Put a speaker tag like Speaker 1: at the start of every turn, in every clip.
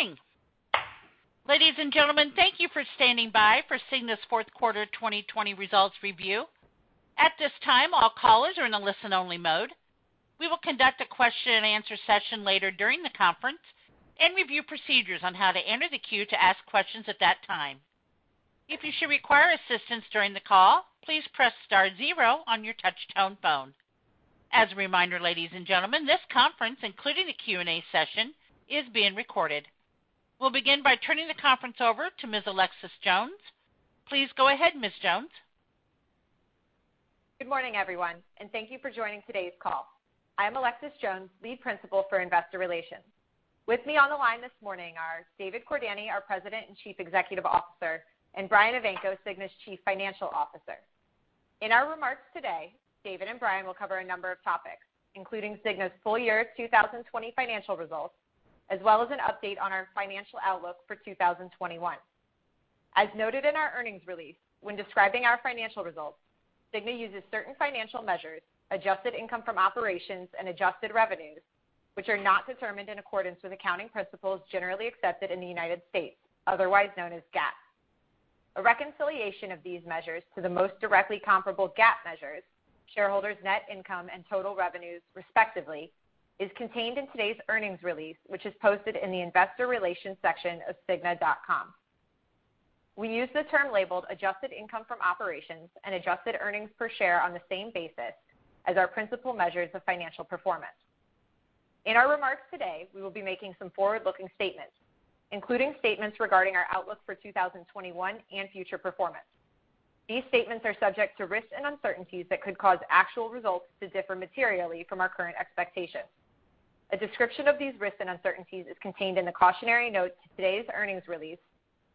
Speaker 1: Good morning. Ladies and gentlemen, thank you for standing by for Cigna's fourth quarter 2020 results review. At this time, all callers are in a listen-only mode. We will conduct a question and answer session later during the conference and review procedures on how to enter the queue to ask questions at that time. If you should require assistance during the call, please press star zero on your touch-tone phone. As a reminder, ladies and gentlemen, this conference, including the Q&A session, is being recorded. We'll begin by turning the conference over to Ms. Alexis Jones. Please go ahead, Ms. Jones.
Speaker 2: Good morning, everyone, and thank you for joining today's call. I am Alexis Jones, Lead Principal for Investor Relations. With me on the line this morning are David Cordani, our President and Chief Executive Officer, and Brian Evanko, Cigna's Chief Financial Officer. In our remarks today, David and Brian will cover a number of topics, including Cigna's full year 2020 financial results, as well as an update on our financial outlook for 2021. As noted in our earnings release, when describing our financial results, Cigna uses certain financial measures, adjusted income from operations and adjusted revenues, which are not determined in accordance with accounting principles generally accepted in the United States, otherwise known as GAAP. A reconciliation of these measures to the most directly comparable GAAP measures, shareholders' net income and total revenues, respectively, is contained in today's earnings release, which is posted in the investor relations section of cigna.com. We use the term labeled adjusted income from operations and adjusted earnings per share on the same basis as our principal measures of financial performance. In our remarks today, we will be making some forward-looking statements, including statements regarding our outlook for 2021 and future performance. These statements are subject to risks and uncertainties that could cause actual results to differ materially from our current expectations. A description of these risks and uncertainties is contained in the cautionary note to today's earnings release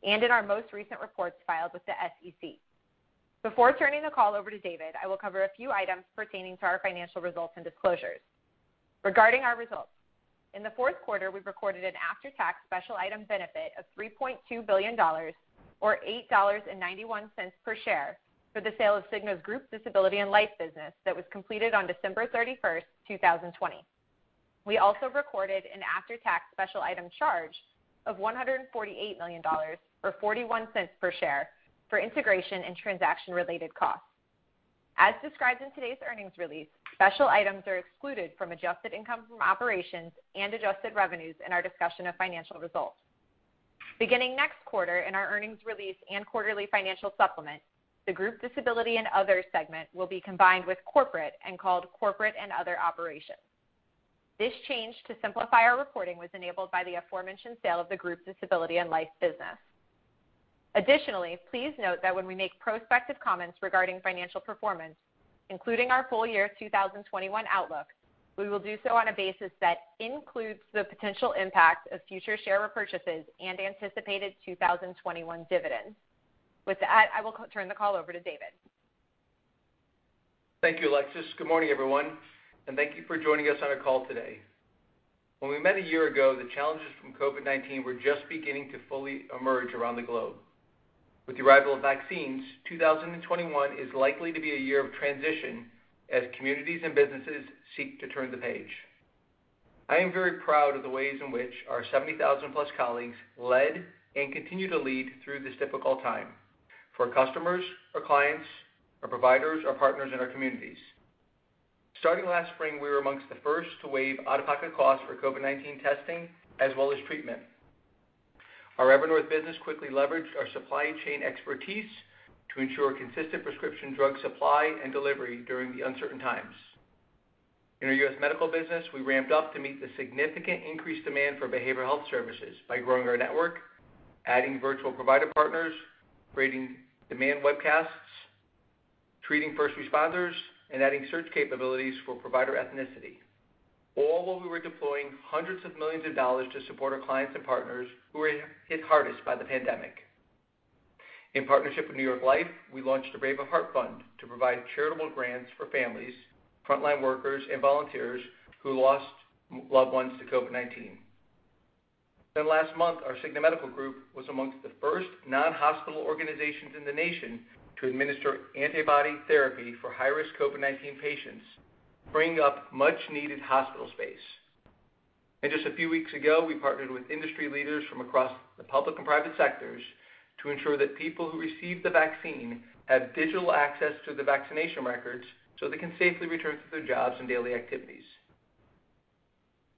Speaker 2: and in our most recent reports filed with the SEC. Before turning the call over to David, I will cover a few items pertaining to our financial results and disclosures. Regarding our results, in the fourth quarter, we recorded an after-tax special item benefit of $3.2 billion, or $8.91 per share for the sale of Cigna's Group Disability and Life business that was completed on December 31st, 2020. We also recorded an after-tax special item charge of $148 million, or $0.41 per share for integration and transaction-related costs. As described in today's earnings release, special items are excluded from adjusted income from operations and adjusted revenues in our discussion of financial results. Beginning next quarter in our earnings release and quarterly financial supplement, the Group Disability and Other segment will be combined with Corporate and called Corporate and Other Operations. This change to simplify our reporting was enabled by the aforementioned sale of the Group Disability and Life business. Additionally, please note that when we make prospective comments regarding financial performance, including our full year 2021 outlook, we will do so on a basis that includes the potential impact of future share repurchases and anticipated 2021 dividends. With that, I will turn the call over to David.
Speaker 3: Thank you, Alexis. Good morning, everyone, thank you for joining us on our call today. When we met a year ago, the challenges from COVID-19 were just beginning to fully emerge around the globe. With the arrival of vaccines, 2021 is likely to be a year of transition as communities and businesses seek to turn the page. I am very proud of the ways in which our 70,000+ colleagues led and continue to lead through this difficult time for our customers, our clients, our providers, our partners, and our communities. Starting last spring, we were amongst the first to waive out-of-pocket costs for COVID-19 testing as well as treatment. Our Evernorth business quickly leveraged our supply chain expertise to ensure consistent prescription drug supply and delivery during the uncertain times. In our U.S. Medical business, we ramped up to meet the significant increased demand for behavioral health services by growing our network, adding virtual provider partners, creating demand webcasts, treating first responders, and adding search capabilities for provider ethnicity, all while we were deploying hundreds of millions to support our clients and partners who were hit hardest by the pandemic. In partnership with New York Life, we launched the Brave of Heart Fund to provide charitable grants for families, frontline workers, and volunteers who lost loved ones to COVID-19. Last month, our Cigna Medical Group was amongst the first non-hospital organizations in the nation to administer antibody therapy for high-risk COVID-19 patients, freeing up much needed hospital space. Just a few weeks ago, we partnered with industry leaders from across the public and private sectors to ensure that people who received the vaccine had digital access to the vaccination records so they can safely return to their jobs and daily activities.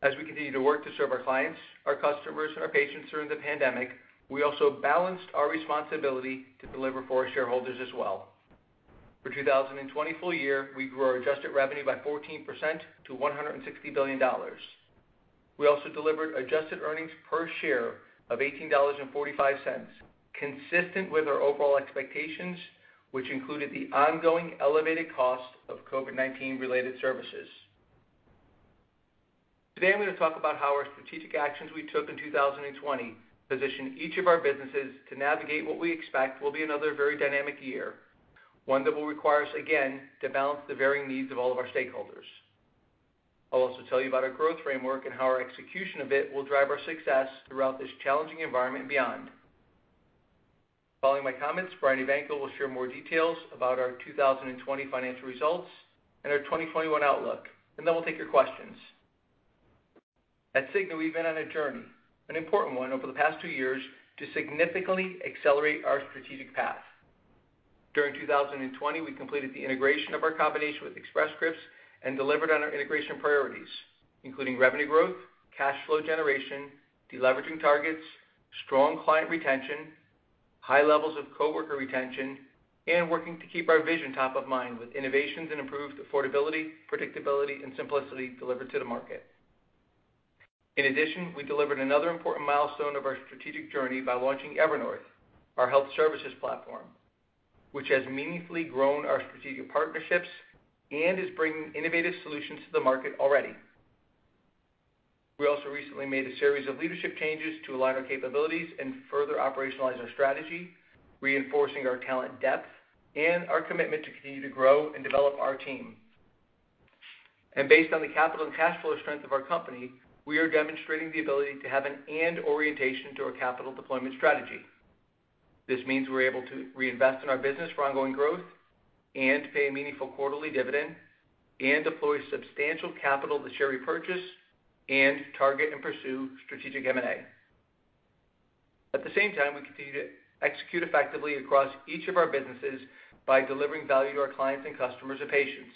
Speaker 3: As we continue to work to serve our clients, our customers, and our patients during the pandemic, we also balanced our responsibility to deliver for our shareholders as well. For 2020 full year, we grew our adjusted revenue by 14% to $160 billion. We also delivered adjusted earnings per share of $18.45, consistent with our overall expectations, which included the ongoing elevated cost of COVID-19 related services. Today, I'm going to talk about how our strategic actions we took in 2020 position each of our businesses to navigate what we expect will be another very dynamic year, one that will require us again to balance the varying needs of all of our stakeholders. I'll also tell you about our growth framework and how our execution of it will drive our success throughout this challenging environment and beyond. Following my comments, Brian Evanko will share more details about our 2020 financial results and our 2021 outlook. Then we'll take your questions. At Cigna, we've been on a journey, an important one over the past two years, to significantly accelerate our strategic path. During 2020, we completed the integration of our combination with Express Scripts and delivered on our integration priorities, including revenue growth, cash flow generation, deleveraging targets, strong client retention, high levels of coworker retention, and working to keep our vision top of mind with innovations and improved affordability, predictability, and simplicity delivered to the market. In addition, we delivered another important milestone of our strategic journey by launching Evernorth, our health services platform, which has meaningfully grown our strategic partnerships and is bringing innovative solutions to the market already. We also recently made a series of leadership changes to align our capabilities and further operationalize our strategy, reinforcing our talent depth and our commitment to continue to grow and develop our team. Based on the capital and cash flow strength of our company, we are demonstrating the ability to have an and orientation to our capital deployment strategy. This means we're able to reinvest in our business for ongoing growth, and pay a meaningful quarterly dividend, and deploy substantial capital to share repurchase, and target and pursue strategic M&A. At the same time, we continue to execute effectively across each of our businesses by delivering value to our clients and customers and patients.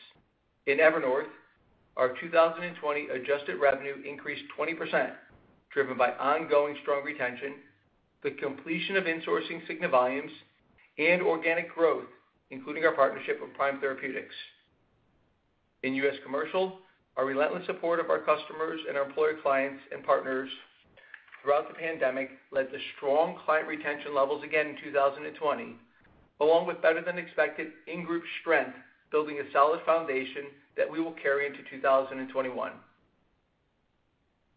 Speaker 3: In Evernorth, our 2020 adjusted revenue increased 20%, driven by ongoing strong retention, the completion of insourcing Cigna volumes, and organic growth, including our partnership with Prime Therapeutics. In US Commercial, our relentless support of our customers and our employer clients and partners throughout the pandemic led to strong client retention levels again in 2020, along with better than expected in-group strength, building a solid foundation that we will carry into 2021.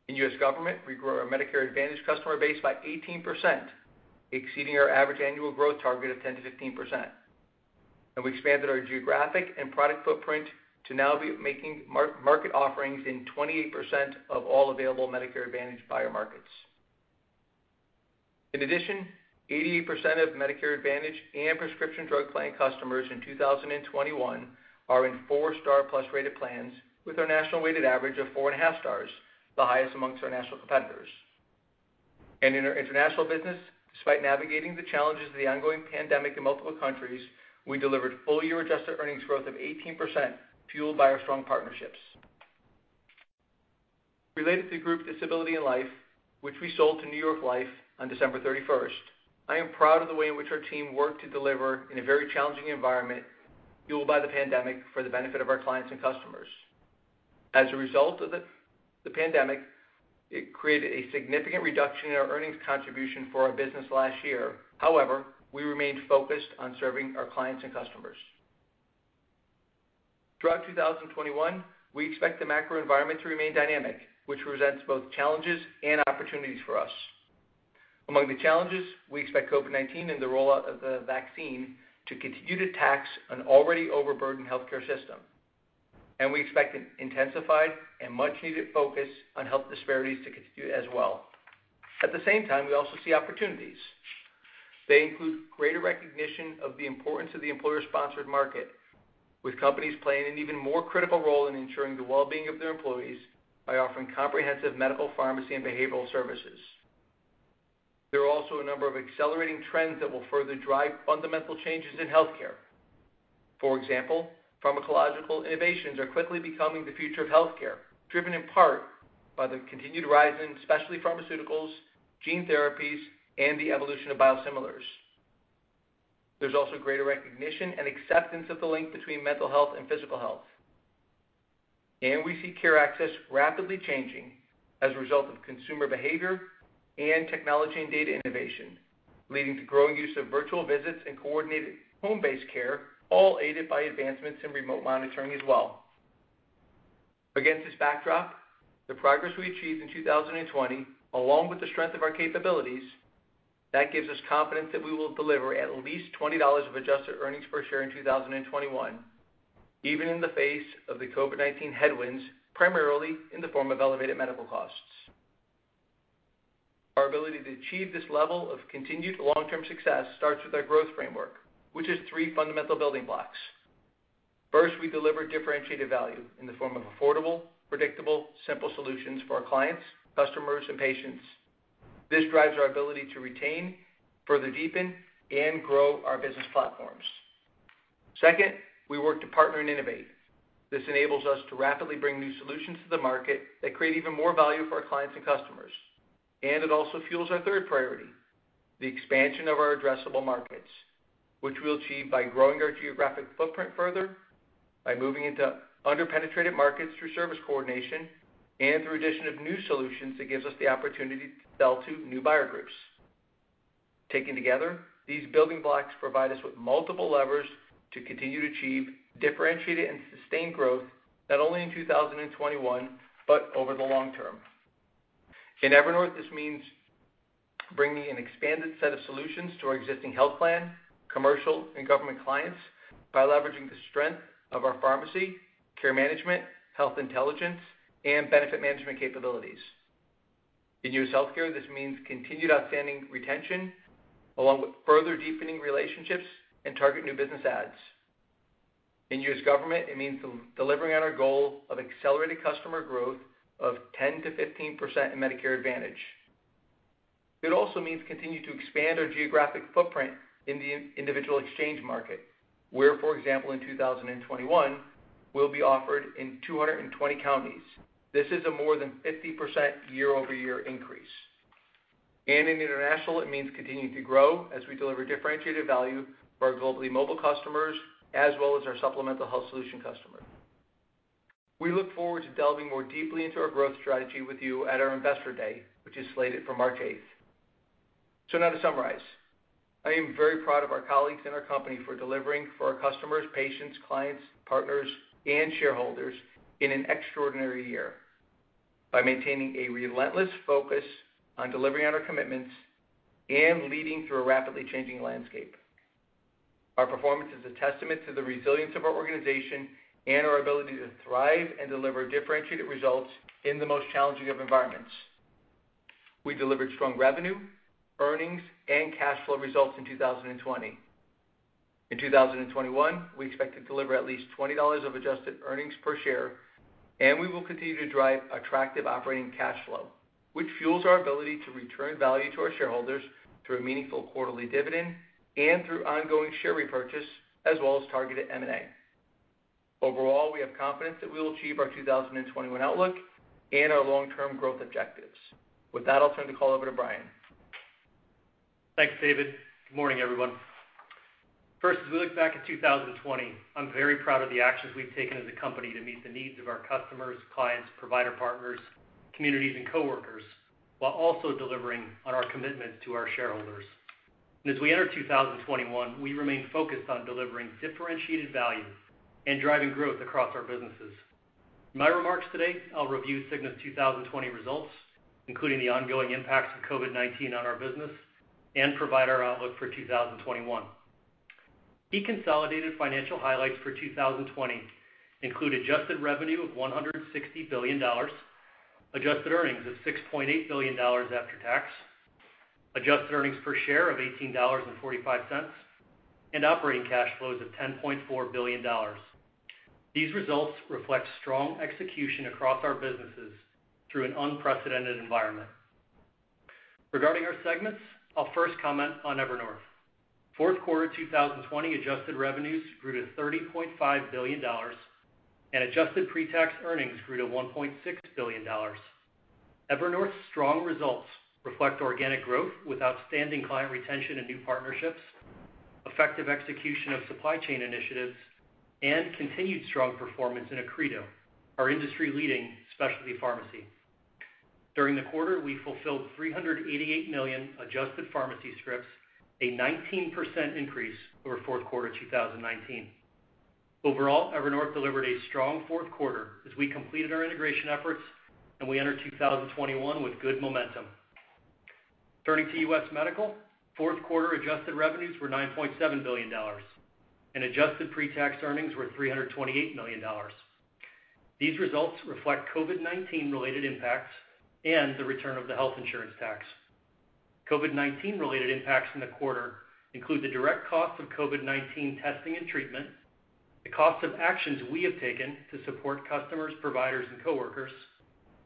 Speaker 3: In US Government, we grew our Medicare Advantage customer base by 18%, exceeding our average annual growth target of 10%-15%. We expanded our geographic and product footprint to now be making market offerings in 28% of all available Medicare Advantage buyer markets. In addition, 88% of Medicare Advantage and prescription drug plan customers in 2021 are in four star plus rated plans with our national weighted average of 4.5 stars, the highest amongst our national competitors. In our International business, despite navigating the challenges of the ongoing pandemic in multiple countries, we delivered full-year adjusted earnings growth of 18%, fueled by our strong partnerships. Related to Group Disability and Life, which we sold to New York Life on December 31st, I am proud of the way in which our team worked to deliver in a very challenging environment fueled by the pandemic for the benefit of our clients and customers. As a result of the pandemic, it created a significant reduction in our earnings contribution for our business last year. However, we remained focused on serving our clients and customers. Throughout 2021, we expect the macro environment to remain dynamic, which presents both challenges and opportunities for us. Among the challenges, we expect COVID-19 and the rollout of the vaccine to continue to tax an already overburdened healthcare system, and we expect an intensified and much needed focus on health disparities to continue as well. At the same time, we also see opportunities. They include greater recognition of the importance of the employer-sponsored market, with companies playing an even more critical role in ensuring the well-being of their employees by offering comprehensive medical, pharmacy, and behavioral services. There are also a number of accelerating trends that will further drive fundamental changes in healthcare. Pharmacological innovations are quickly becoming the future of healthcare, driven in part by the continued rise in specialty pharmaceuticals, gene therapies, and the evolution of biosimilars. There's also greater recognition and acceptance of the link between mental health and physical health. We see care access rapidly changing as a result of consumer behavior and technology and data innovation, leading to growing use of virtual visits and coordinated home-based care, all aided by advancements in remote monitoring as well. Against this backdrop, the progress we achieved in 2020, along with the strength of our capabilities, that gives us confidence that we will deliver at least $20 of adjusted earnings per share in 2021, even in the face of the COVID-19 headwinds, primarily in the form of elevated medical costs. Our ability to achieve this level of continued long-term success starts with our growth framework, which has three fundamental building blocks. First, we deliver differentiated value in the form of affordable, predictable, simple solutions for our clients, customers, and patients. This drives our ability to retain, further deepen, and grow our business platforms. Second, we work to partner and innovate. This enables us to rapidly bring new solutions to the market that create even more value for our clients and customers. It also fuels our third priority, the expansion of our addressable markets, which we'll achieve by growing our geographic footprint further, by moving into under-penetrated markets through service coordination, and through addition of new solutions that gives us the opportunity to sell to new buyer groups. Taken together, these building blocks provide us with multiple levers to continue to achieve differentiated and sustained growth, not only in 2021, but over the long term. In Evernorth, this means bringing an expanded set of solutions to our existing health plan, commercial, and government clients by leveraging the strength of our pharmacy, care management, health intelligence, and benefit management capabilities. In U.S. healthcare, this means continued outstanding retention, along with further deepening relationships and target new business adds. In U.S. government, it means delivering on our goal of accelerated customer growth of 10%-15% in Medicare Advantage. It also means continue to expand our geographic footprint in the individual exchange market, where, for example, in 2021, we'll be offered in 220 counties. This is a more than 50% year-over-year increase. In International, it means continuing to grow as we deliver differentiated value for our globally mobile customers, as well as our supplemental health solution customers. We look forward to delving more deeply into our growth strategy with you at our Investor Day, which is slated for March 8th. Now to summarize, I am very proud of our colleagues and our company for delivering for our customers, patients, clients, partners, and shareholders in an extraordinary year by maintaining a relentless focus on delivering on our commitments and leading through a rapidly changing landscape. Our performance is a testament to the resilience of our organization and our ability to thrive and deliver differentiated results in the most challenging of environments. We delivered strong revenue, earnings, and cash flow results in 2020. In 2021, we expect to deliver at least $20 of adjusted earnings per share. We will continue to drive attractive operating cash flow, which fuels our ability to return value to our shareholders through a meaningful quarterly dividend and through ongoing share repurchase as well as targeted M&A. We have confidence that we will achieve our 2021 outlook and our long-term growth objectives. With that, I'll turn the call over to Brian.
Speaker 4: Thanks, David. Good morning, everyone. As we look back at 2020, I'm very proud of the actions we've taken as a company to meet the needs of our customers, clients, provider partners, communities, and coworkers, while also delivering on our commitment to our shareholders. As we enter 2021, we remain focused on delivering differentiated value and driving growth across our businesses. In my remarks today, I'll review Cigna's 2020 results, including the ongoing impacts of COVID-19 on our business and provide our outlook for 2021. Deconsolidated financial highlights for 2020 include adjusted revenue of $160 billion, adjusted earnings of $6.8 billion after tax, adjusted earnings per share of $18.45, and operating cash flows of $10.4 billion. These results reflect strong execution across our businesses through an unprecedented environment. Regarding our segments, I'll first comment on Evernorth. Fourth quarter 2020 adjusted revenues grew to $30.5 billion, and adjusted pre-tax earnings grew to $1.6 billion. Evernorth's strong results reflect organic growth with outstanding client retention and new partnerships, effective execution of supply chain initiatives, and continued strong performance in Accredo, our industry-leading specialty pharmacy. During the quarter, we fulfilled 388 million adjusted pharmacy scripts, a 19% increase over fourth quarter 2019. Overall, Evernorth delivered a strong fourth quarter as we completed our integration efforts and we enter 2021 with good momentum. Turning to US Medical, fourth quarter adjusted revenues were $9.7 billion, and adjusted pre-tax earnings were $328 million. These results reflect COVID-19 related impacts and the return of the health insurance tax. COVID-19 related impacts in the quarter include the direct cost of COVID-19 testing and treatment, the cost of actions we have taken to support customers, providers, and coworkers,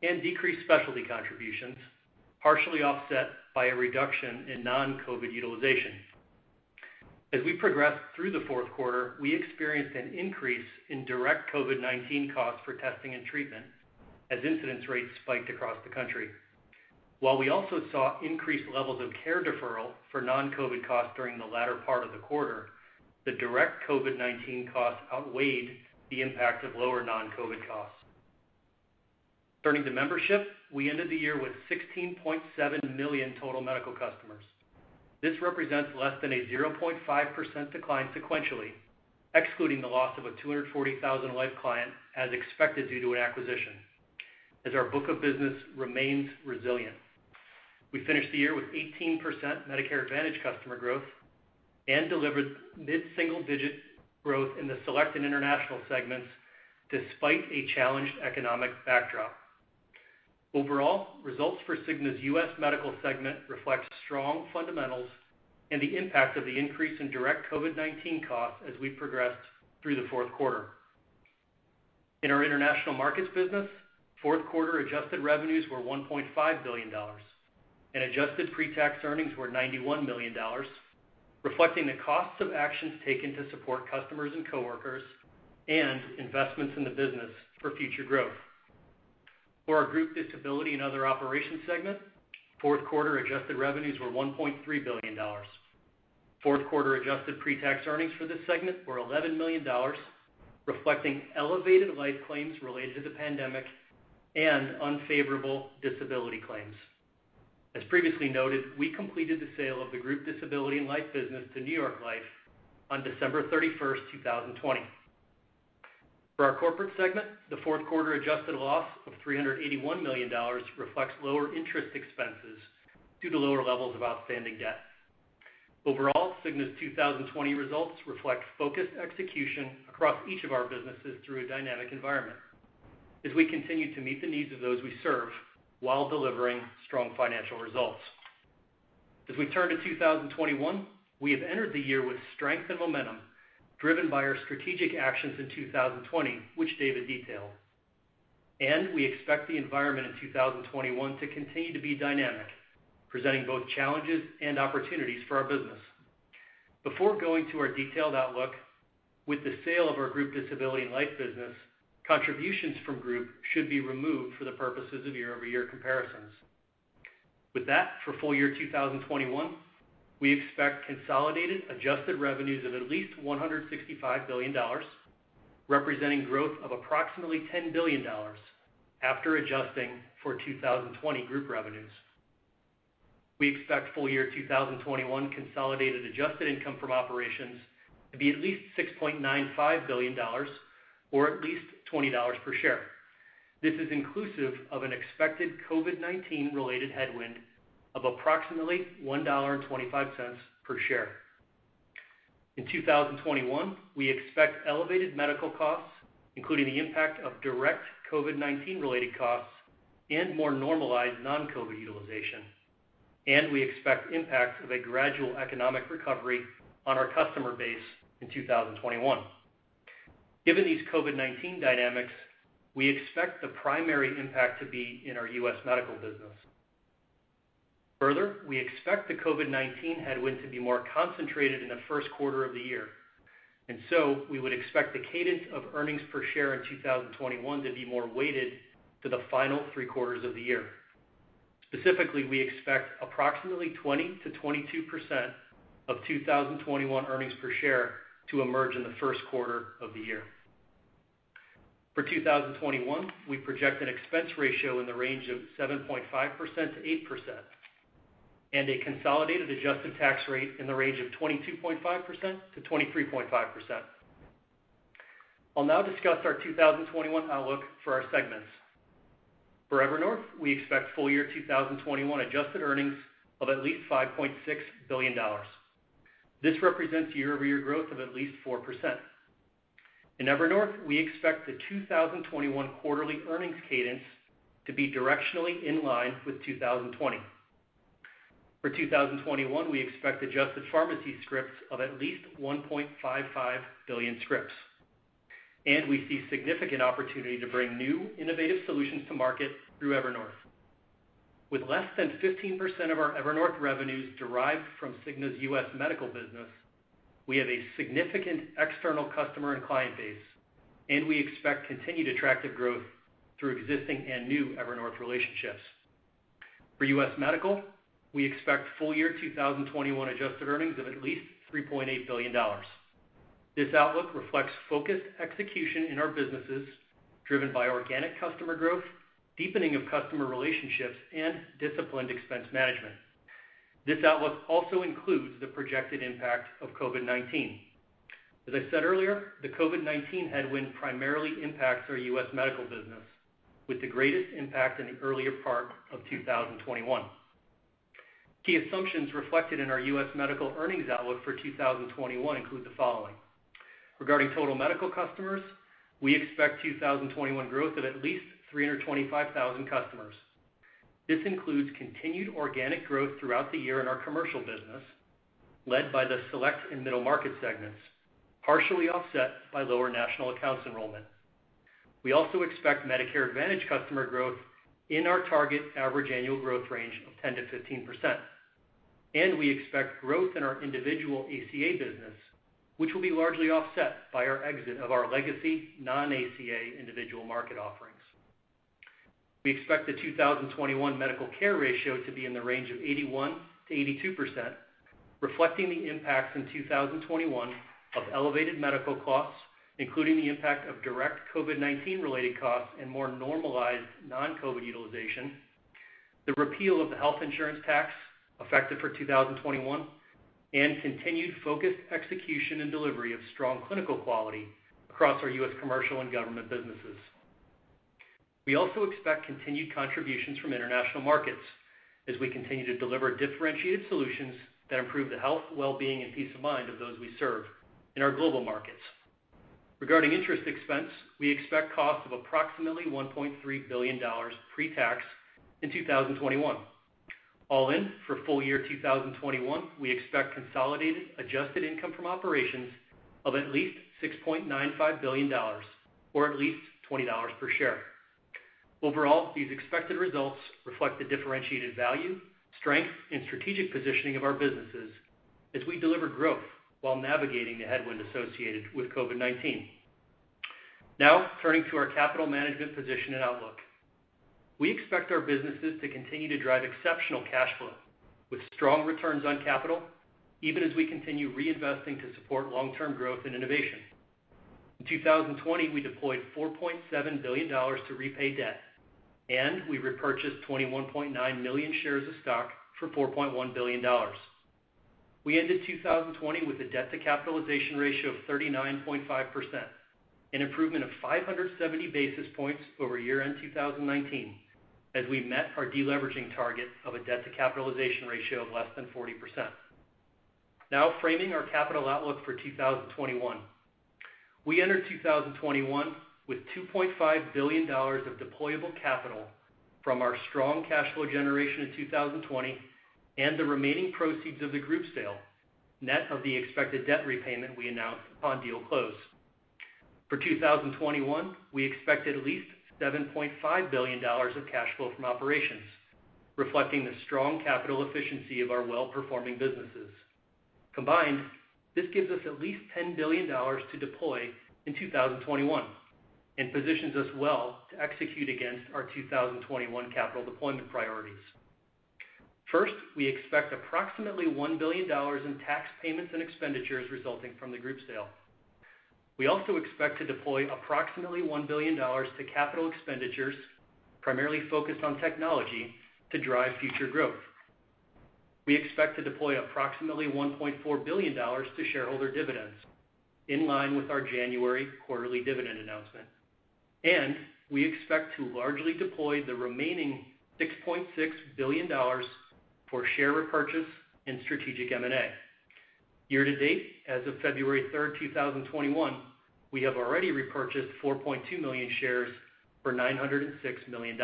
Speaker 4: and decreased specialty contributions, partially offset by a reduction in non-COVID utilization. As we progressed through the fourth quarter, we experienced an increase in direct COVID-19 costs for testing and treatment as incidence rates spiked across the country. While we also saw increased levels of care deferral for non-COVID costs during the latter part of the quarter, the direct COVID-19 costs outweighed the impact of lower non-COVID costs. Turning to membership, we ended the year with 16.7 million total medical customers. This represents less than a 0.5% decline sequentially, excluding the loss of a 240,000 life client as expected due to an acquisition, as our book of business remains resilient. We finished the year with 18% Medicare Advantage customer growth and delivered mid-single-digit growth in the Select and International segments, despite a challenged economic backdrop. Overall, results for Cigna's US Medical segment reflect strong fundamentals and the impact of the increase in direct COVID-19 costs as we progressed through the fourth quarter. In our International Markets business, fourth quarter adjusted revenues were $1.5 billion, and adjusted pre-tax earnings were $91 million, reflecting the costs of actions taken to support customers and coworkers and investments in the business for future growth. For our Group Disability and Other Operations segment, fourth quarter adjusted revenues were $1.3 billion. Fourth quarter adjusted pre-tax earnings for this segment were $11 million, reflecting elevated life claims related to the pandemic and unfavorable disability claims. As previously noted, we completed the sale of the Group Disability and Life business to New York Life on December 31st, 2020. For our Corporate segment, the fourth quarter adjusted loss of $381 million reflects lower interest expenses due to lower levels of outstanding debt. Overall, Cigna's 2020 results reflect focused execution across each of our businesses through a dynamic environment as we continue to meet the needs of those we serve while delivering strong financial results. As we turn to 2021, we have entered the year with strength and momentum driven by our strategic actions in 2020, which David detailed. We expect the environment in 2021 to continue to be dynamic, presenting both challenges and opportunities for our business. Before going to our detailed outlook, with the sale of our Group Disability and Life business, contributions from group should be removed for the purposes of year-over-year comparisons. With that, for full year 2021, we expect consolidated adjusted revenues of at least $165 billion, representing growth of approximately $10 billion after adjusting for 2020 group revenues. We expect full year 2021 consolidated adjusted income from operations to be at least $6.95 billion or at least $20 per share. This is inclusive of an expected COVID-19 related headwind of approximately $1.25 per share. In 2021, we expect elevated medical costs, including the impact of direct COVID-19 related costs and more normalized non-COVID utilization. We expect impacts of a gradual economic recovery on our customer base in 2021. Given these COVID-19 dynamics, we expect the primary impact to be in our U.S. Medical business. Further, we expect the COVID-19 headwind to be more concentrated in the first quarter of the year, and so we would expect the cadence of earnings per share in 2021 to be more weighted to the final three quarters of the year. Specifically, we expect approximately 20%-22% of 2021 earnings per share to emerge in the first quarter of the year. For 2021, we project an expense ratio in the range of 7.5%-8% and a consolidated adjusted tax rate in the range of 22.5%-23.5%. I'll now discuss our 2021 outlook for our segments. For Evernorth, we expect full year 2021 adjusted earnings of at least $5.6 billion. This represents year-over-year growth of at least 4%. In Evernorth, we expect the 2021 quarterly earnings cadence to be directionally in line with 2020. For 2021, we expect adjusted pharmacy scripts of at least 1.55 billion scripts, and we see significant opportunity to bring new, innovative solutions to market through Evernorth. With less than 15% of our Evernorth revenues derived from Cigna's U.S. Medical business, we have a significant external customer and client base, and we expect continued attractive growth through existing and new Evernorth relationships. For U.S. Medical, we expect full year 2021 adjusted earnings of at least $3.8 billion. This outlook reflects focused execution in our businesses, driven by organic customer growth, deepening of customer relationships, and disciplined expense management. This outlook also includes the projected impact of COVID-19. As I said earlier, the COVID-19 headwind primarily impacts our U.S. Medical business, with the greatest impact in the earlier part of 2021. Key assumptions reflected in our U.S. Medical earnings outlook for 2021 include the following. Regarding total medical customers, we expect 2021 growth of at least 325,000 customers. This includes continued organic growth throughout the year in our commercial business, led by the Select and middle market segments, partially offset by lower national accounts enrollment. We also expect Medicare Advantage customer growth in our target average annual growth range of 10%-15%. We expect growth in our individual ACA business, which will be largely offset by our exit of our legacy non-ACA individual market offerings. We expect the 2021 medical care ratio to be in the range of 81%-82%, reflecting the impacts in 2021 of elevated medical costs, including the impact of direct COVID-19 related costs and more normalized non-COVID utilization, the repeal of the health insurance tax effective for 2021, and continued focused execution and delivery of strong clinical quality across our U.S. commercial and government businesses. We also expect continued contributions from International Markets as we continue to deliver differentiated solutions that improve the health, well-being, and peace of mind of those we serve in our global markets. Regarding interest expense, we expect costs of approximately $1.3 billion pre-tax in 2021. All in, for full year 2021, we expect consolidated adjusted income from operations of at least $6.95 billion or at least $20 per share. Overall, these expected results reflect the differentiated value, strength, and strategic positioning of our businesses as we deliver growth while navigating the headwind associated with COVID-19. Turning to our capital management position and outlook. We expect our businesses to continue to drive exceptional cash flow with strong returns on capital, even as we continue reinvesting to support long-term growth and innovation. In 2020, we deployed $4.7 billion to repay debt, and we repurchased 21.9 million shares of stock for $4.1 billion. We ended 2020 with a debt-to-capitalization ratio of 39.5%, an improvement of 570 basis points over year-end 2019, as we met our deleveraging target of a debt-to-capitalization ratio of less than 40%. Framing our capital outlook for 2021. We entered 2021 with $2.5 billion of deployable capital from our strong cash flow generation in 2020, and the remaining proceeds of the Group sale, net of the expected debt repayment we announced upon deal close. For 2021, we expect at least $7.5 billion of cash flow from operations, reflecting the strong capital efficiency of our well-performing businesses. Combined, this gives us at least $10 billion to deploy in 2021, and positions us well to execute against our 2021 capital deployment priorities. First, we expect approximately $1 billion in tax payments and expenditures resulting from the group sale. We also expect to deploy approximately $1 billion to capital expenditures, primarily focused on technology to drive future growth. We expect to deploy approximately $1.4 billion to shareholder dividends, in line with our January quarterly dividend announcement. We expect to largely deploy the remaining $6.6 billion for share repurchase and strategic M&A. Year to date, as of February 3rd, 2021, we have already repurchased 4.2 million shares for $906 million.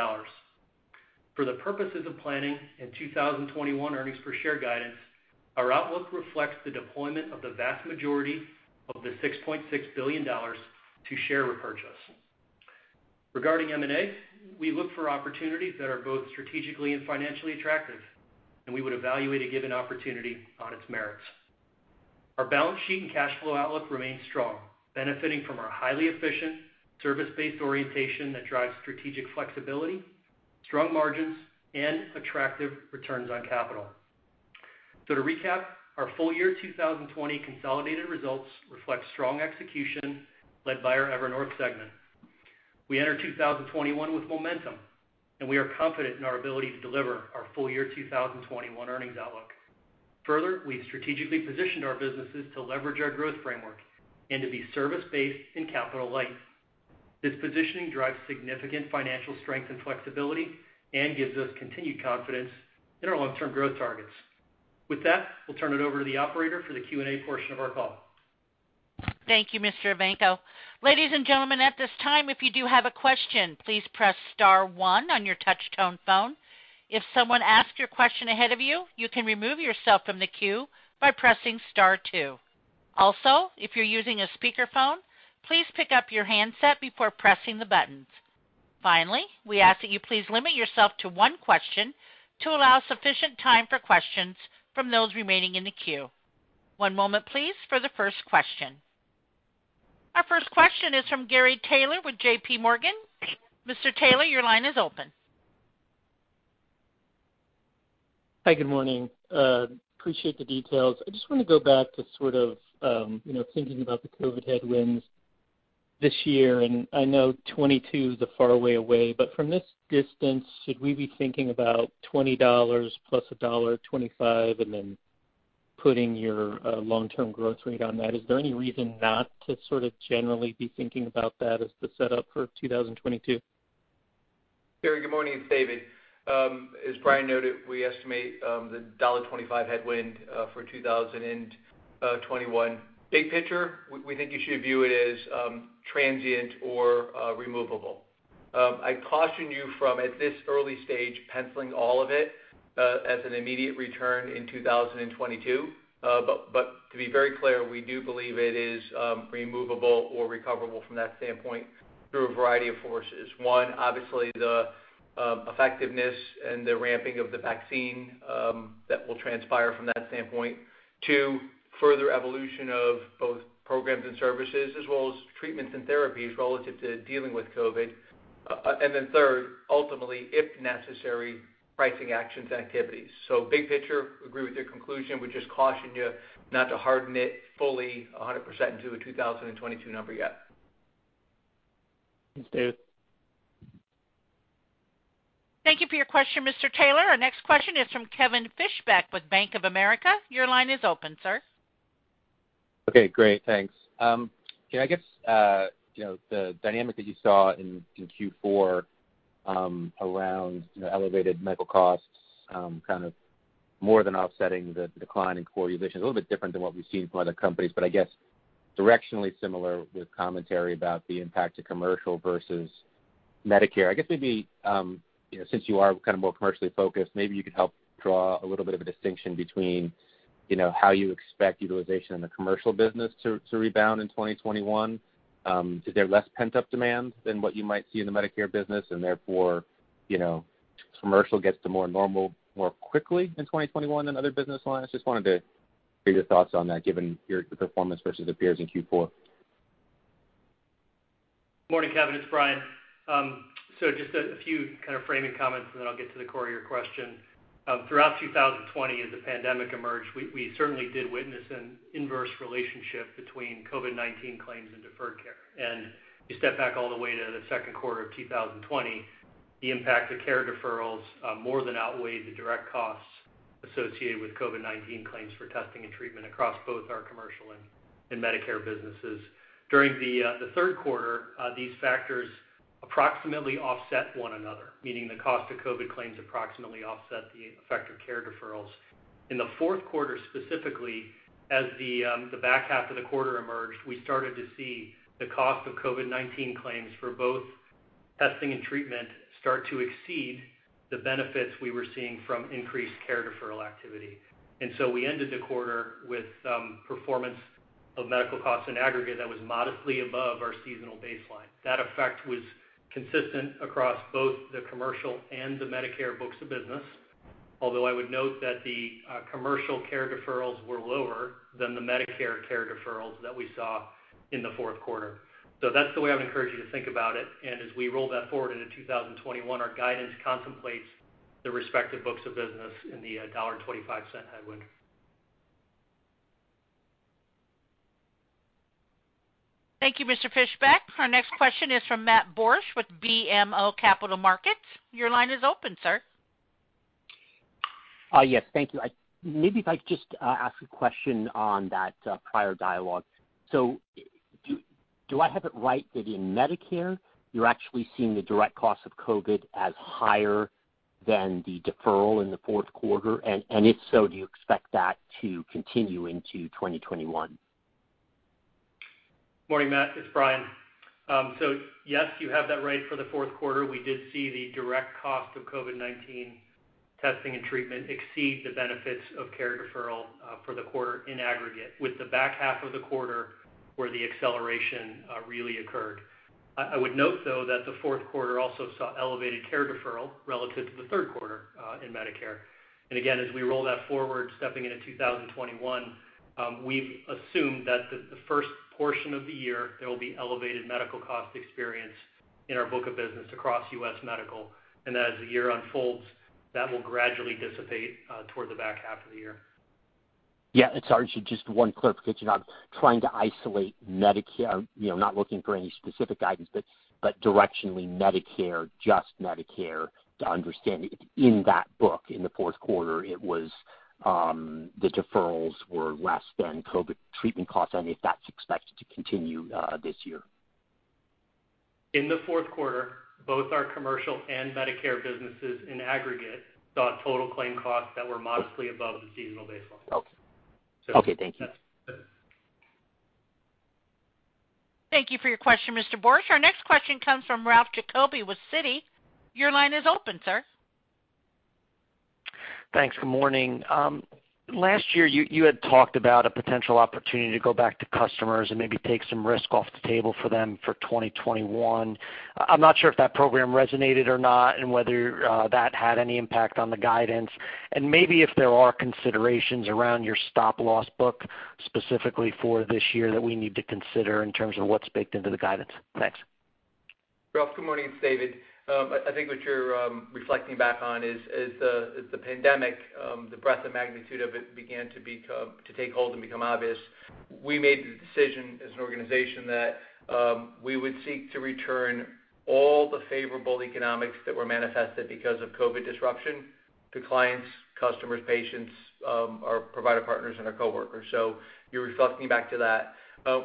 Speaker 4: For the purposes of planning and 2021 earnings per share guidance, our outlook reflects the deployment of the vast majority of the $6.6 billion to share repurchase. Regarding M&A, we look for opportunities that are both strategically and financially attractive, and we would evaluate a given opportunity on its merits. Our balance sheet and cash flow outlook remains strong, benefiting from our highly efficient service-based orientation that drives strategic flexibility, strong margins, and attractive returns on capital. To recap, our full year 2020 consolidated results reflect strong execution led by our Evernorth segment. We enter 2021 with momentum, and we are confident in our ability to deliver our full year 2021 earnings outlook. Further, we've strategically positioned our businesses to leverage our growth framework and to be service-based and capital light. This positioning drives significant financial strength and flexibility and gives us continued confidence in our long-term growth targets. With that, we'll turn it over to the operator for the Q&A portion of our call.
Speaker 1: Thank you, Mr. Evanko. Ladies and gentlemen, at this time, if you do have a question, please press star one on your touch-tone phone. If someone asks your question ahead of you can remove yourself from the queue by pressing star two. If you're using a speakerphone, please pick up your handset before pressing the buttons. We ask that you please limit yourself to one question to allow sufficient time for questions from those remaining in the queue. One moment, please, for the first question. Our first question is from Gary Taylor with JPMorgan. Mr. Taylor, your line is open.
Speaker 5: Hi, good morning. Appreciate the details. I just want to go back to sort of thinking about the COVID headwinds this year, and I know 2022 is a far way away, but from this distance, should we be thinking about $20 plus $1.25, and then putting your long-term growth rate on that? Is there any reason not to sort of generally be thinking about that as the setup for 2022?
Speaker 3: Gary, good morning. It's David. As Brian noted, we estimate the $1.25 headwind for 2021. Big picture, we think you should view it as transient or removable. I caution you from, at this early stage, penciling all of it as an immediate return in 2022. To be very clear, we do believe it is removable or recoverable from that standpoint through a variety of forces. One, obviously the effectiveness and the ramping of the vaccine that will transpire from that standpoint. Two, further evolution of both programs and services, as well as treatments and therapies relative to dealing with COVID. Then third, ultimately, if necessary, pricing actions and activities. Big picture, agree with your conclusion, would just caution you not to harden it fully 100% into a 2022 number yet.
Speaker 5: Thanks, David.
Speaker 1: Thank you for your question, Mr. Taylor. Our next question is from Kevin Fischbeck with Bank of America. Your line is open, sir.
Speaker 6: Okay, great. Thanks. I guess, the dynamic that you saw in Q4 around elevated medical costs kind of more than offsetting the decline in core utilization, a little bit different than what we've seen from other companies, but I guess directionally similar with commentary about the impact to commercial versus Medicare. I guess maybe, since you are kind of more commercially focused, maybe you could help draw a little bit of a distinction between how you expect utilization in the commercial business to rebound in 2021. Is there less pent-up demand than what you might see in the Medicare business and therefore, commercial gets to more normal more quickly in 2021 than other business lines? Just wanted to hear your thoughts on that given your performance versus the peers in Q4.
Speaker 4: Morning, Kevin. It's Brian. Just a few kind of framing comments, and then I'll get to the core of your question. Throughout 2020 as the pandemic emerged, we certainly did witness an inverse relationship between COVID-19 claims and deferred care. You step back all the way to the second quarter of 2020, the impact of care deferral more than outweighed the direct costs associated with COVID-19 claims for testing and treatment across both our commercial and Medicare businesses. During the third quarter, these factors approximately offset one another, meaning the cost of COVID claims approximately offset the effect of care deferrals. In the fourth quarter, specifically, as the back half of the quarter emerged, we started to see the cost of COVID-19 claims for both testing and treatment start to exceed the benefits we were seeing from increased care deferral activity. We ended the quarter with performance of medical costs in aggregate that was modestly above our seasonal baseline. That effect was consistent across both the commercial and the Medicare books of business, although I would note that the commercial care deferrals were lower than the Medicare care deferrals that we saw in the fourth quarter. That's the way I would encourage you to think about it. As we roll that forward into 2021, our guidance contemplates the respective books of business in the $1.25 headwind.
Speaker 1: Thank you, Mr. Fischbeck. Our next question is from Matt Borsch with BMO Capital Markets. Your line is open, sir.
Speaker 7: Yes, thank you. Maybe if I could just ask a question on that prior dialogue. Do I have it right that in Medicare, you're actually seeing the direct cost of COVID as higher than the deferral in the fourth quarter? If so, do you expect that to continue into 2021?
Speaker 4: Morning, Matt, it's Brian. Yes, you have that right. For the fourth quarter, we did see the direct cost of COVID-19 testing and treatment exceed the benefits of care deferral for the quarter in aggregate, with the back half of the quarter where the acceleration really occurred. I would note, though, that the fourth quarter also saw elevated care deferral relative to the third quarter in Medicare. Again, as we roll that forward, stepping into 2021, we've assumed that the first portion of the year, there will be elevated medical cost experience in our book of business across US Medical, and that as the year unfolds, that will gradually dissipate toward the back half of the year.
Speaker 7: Yeah. Sorry, just one clarification. I'm trying to isolate Medicare, not looking for any specific guidance, but directionally Medicare, just Medicare, to understand in that book, in the fourth quarter, the deferrals were less than COVID treatment costs, and if that's expected to continue this year.
Speaker 4: In the fourth quarter, both our commercial and Medicare businesses in aggregate saw total claim costs that were modestly above the seasonal baseline.
Speaker 7: Okay. Thank you.
Speaker 1: Thank you for your question, Mr. Borsch. Our next question comes from Ralph Giacobbe with Citi. Your line is open, sir.
Speaker 8: Thanks. Good morning. Last year, you had talked about a potential opportunity to go back to customers and maybe take some risk off the table for them for 2021. I'm not sure if that program resonated or not, and whether that had any impact on the guidance. Maybe if there are considerations around your stop loss book specifically for this year that we need to consider in terms of what's baked into the guidance. Thanks.
Speaker 3: Ralph, good morning. It's David. I think what you're reflecting back on is the pandemic, the breadth and magnitude of it began to take hold and become obvious. We made the decision as an organization that we would seek to return all the favorable economics that were manifested because of COVID disruption to clients, customers, patients, our provider partners, and our coworkers. You're reflecting back to that.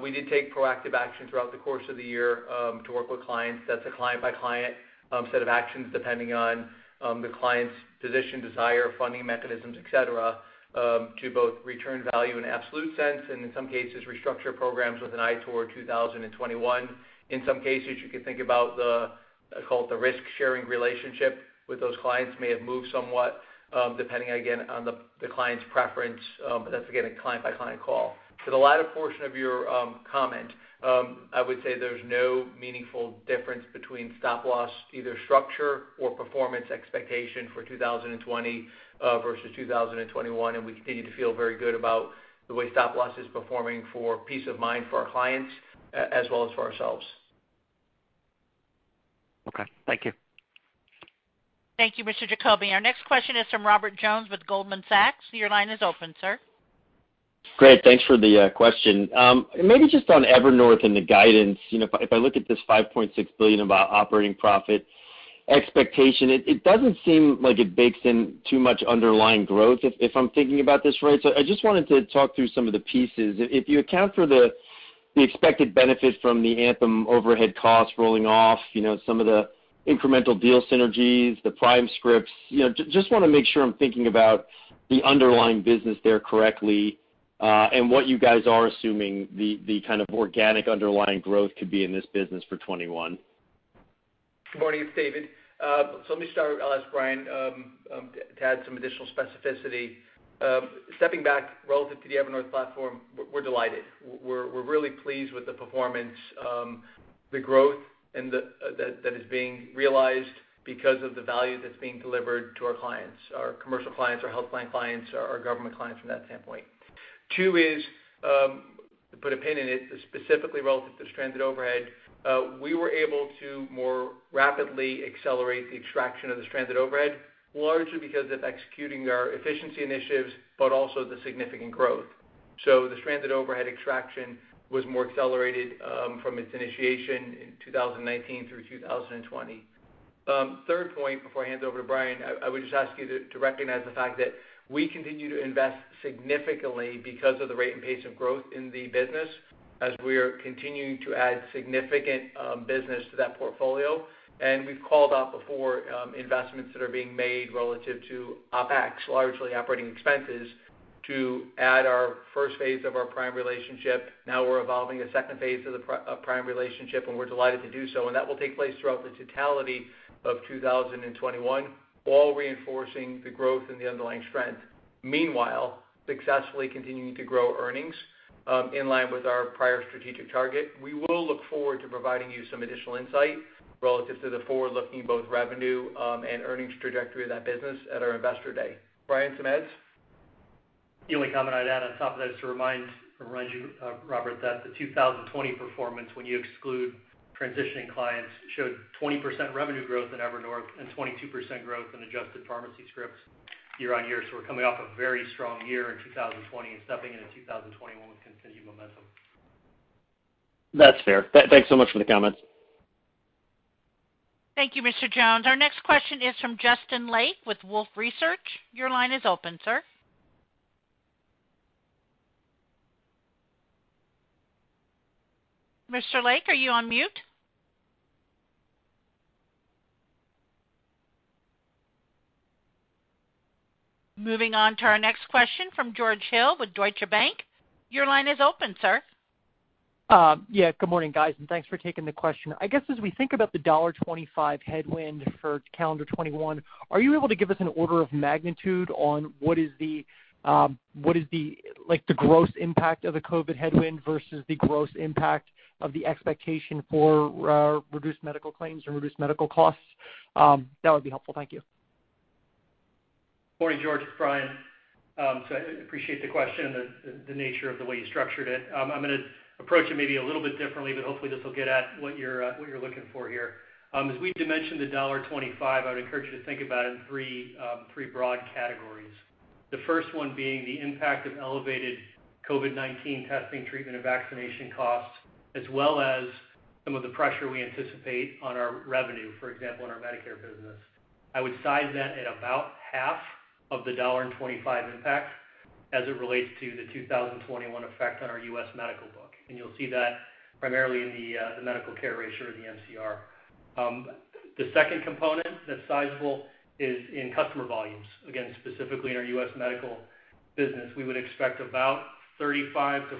Speaker 3: We did take proactive action throughout the course of the year to work with clients. That's a client-by-client set of actions, depending on the client's position, desire, funding mechanisms, et cetera, to both return value in an absolute sense, and in some cases, restructure programs with an eye toward 2021. In some cases, you could think about the, call it the risk-sharing relationship with those clients may have moved somewhat, depending, again, on the client's preference. That's, again, a client-by-client call. To the latter portion of your comment, I would say there's no meaningful difference between stop-loss, either structure or performance expectation for 2020 versus 2021, and we continue to feel very good about the way stop-loss is performing for peace of mind for our clients as well as for ourselves.
Speaker 8: Okay. Thank you.
Speaker 1: Thank you, Mr. Giacobbe. Our next question is from Robert Jones with Goldman Sachs. Your line is open, sir.
Speaker 9: Great. Thanks for the question. Maybe just on Evernorth and the guidance. If I look at this $5.6 billion operating profit expectation, it doesn't seem like it bakes in too much underlying growth, if I'm thinking about this right. I just wanted to talk through some of the pieces. If you account for the expected benefit from the Anthem overhead costs rolling off, some of the incremental deal synergies, the Prime scripts. Just want to make sure I'm thinking about the underlying business there correctly and what you guys are assuming the kind of organic underlying growth could be in this business for 2021.
Speaker 3: Good morning. It's David. Let me start. I'll ask Brian to add some additional specificity. Stepping back relative to the Evernorth platform, we're delighted. We're really pleased with the performance, the growth that is being realized because of the value that's being delivered to our clients, our commercial clients, our health plan clients, our government clients from that standpoint. Two is, to put a pin in it, specifically relative to stranded overhead, we were able to more rapidly accelerate the extraction of the stranded overhead, largely because of executing our efficiency initiatives, but also the significant growth. The stranded overhead extraction was more accelerated from its initiation in 2019 through 2020. Third point before I hand it over to Brian, I would just ask you to recognize the fact that we continue to invest significantly because of the rate and pace of growth in the business as we are continuing to add significant business to that portfolio. We've called out before investments that are being made relative to OpEx, largely operating expenses, to add our first phase of our Prime relationship. Now we're evolving a second phase of Prime relationship, and we're delighted to do so. That will take place throughout the totality of 2021, all reinforcing the growth and the underlying strength. Meanwhile, successfully continuing to grow earnings in line with our prior strategic target. We will look forward to providing you some additional insight relative to the forward-looking both revenue and earnings trajectory of that business at our investor day. Brian, some adds?
Speaker 4: The only comment I'd add on top of that is to remind you, Robert, that the 2020 performance, when you exclude transitioning clients, showed 20% revenue growth in Evernorth and 22% growth in adjusted pharmacy scripts year-on-year. We're coming off a very strong year in 2020 and stepping into 2021 with continued momentum.
Speaker 9: That's fair. Thanks so much for the comments.
Speaker 1: Thank you, Mr. Jones. Our next question is from Justin Lake with Wolfe Research. Your line is open, sir. Mr. Lake, are you on mute? Moving on to our next question from George Hill with Deutsche Bank. Your line is open, sir.
Speaker 10: Yeah. Good morning, guys, and thanks for taking the question. I guess as we think about the $1.25 headwind for calendar 2021, are you able to give us an order of magnitude on what is the gross impact of the COVID headwind versus the gross impact of the expectation for reduced medical claims or reduced medical costs? That would be helpful. Thank you.
Speaker 4: Morning, George. It's Brian. I appreciate the question and the nature of the way you structured it. I'm going to approach it maybe a little bit differently, but hopefully this will get at what you're looking for here. As we dimension the $1.25, I would encourage you to think about it in three broad categories. The first one being the impact of elevated COVID-19 testing, treatment, and vaccination costs, as well as some of the pressure we anticipate on our revenue, for example, in our Medicare business. I would size that at about half of the $1.25 impact as it relates to the 2021 effect on our US Medical book. You'll see that primarily in the medical care ratio or the MCR. The second component that's sizable is in customer volumes. Again, specifically in our U.S. Medical business, we would expect about 35%-40%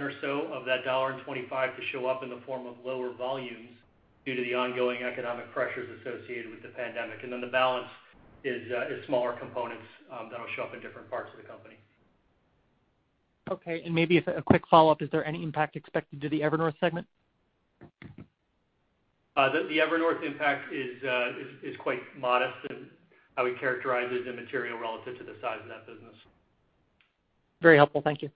Speaker 4: or so of that $1.25 to show up in the form of lower volumes due to the ongoing economic pressures associated with the pandemic. The balance is smaller components that will show up in different parts of the company.
Speaker 10: Okay, maybe a quick follow-up. Is there any impact expected to the Evernorth segment?
Speaker 4: The Evernorth impact is quite modest in how we characterize it immaterial relative to the size of that business.
Speaker 10: Very helpful. Thank you.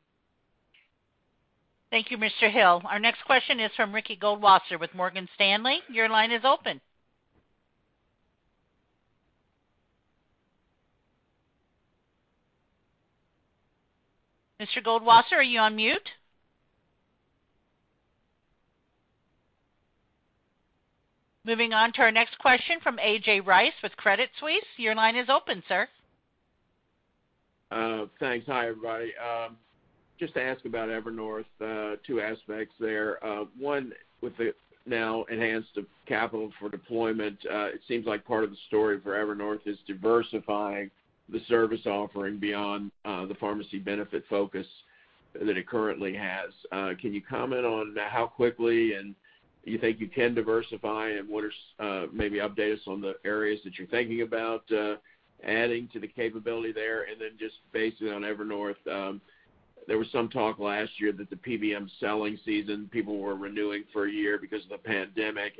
Speaker 1: Thank you, Mr. Hill. Our next question is from Ricky Goldwasser with Morgan Stanley. Your line is open. Mr. Goldwasser, are you on mute? Moving on to our next question from A.J. Rice with Credit Suisse. Your line is open, sir.
Speaker 11: Thanks. Hi, everybody. Just to ask about Evernorth, two aspects there. One, with the now enhanced capital for deployment, it seems like part of the story for Evernorth is diversifying the service offering beyond the pharmacy benefit focus that it currently has. Can you comment on how quickly and you think you can diversify, and maybe update us on the areas that you're thinking about adding to the capability there? Just based on Evernorth, there was some talk last year that the PBM selling season, people were renewing for a year because of the pandemic.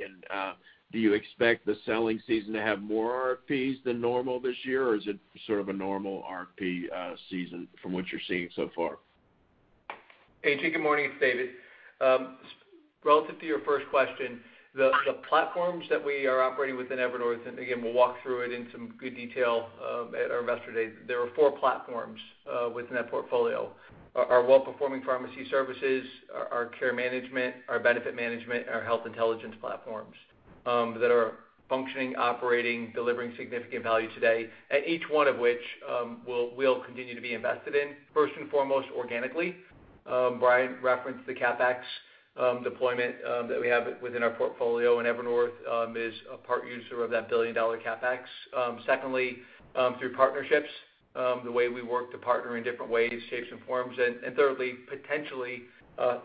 Speaker 11: Do you expect the selling season to have more RFPs than normal this year? Is it sort of a normal RFP season from what you're seeing so far?
Speaker 3: A.J., good morning. It's David. Relative to your first question, the platforms that we are operating within Evernorth, and again, we'll walk through it in some good detail at our investor day. There are four platforms within that portfolio. Our well-performing pharmacy services, our care management, our benefit management, our health intelligence platforms that are functioning, operating, delivering significant value today. Each one of which will continue to be invested in, first and foremost, organically. Brian referenced the CapEx deployment that we have within our portfolio, and Evernorth is a part user of that billion-dollar CapEx. Secondly, through partnerships, the way we work to partner in different ways, shapes, and forms. Thirdly, potentially,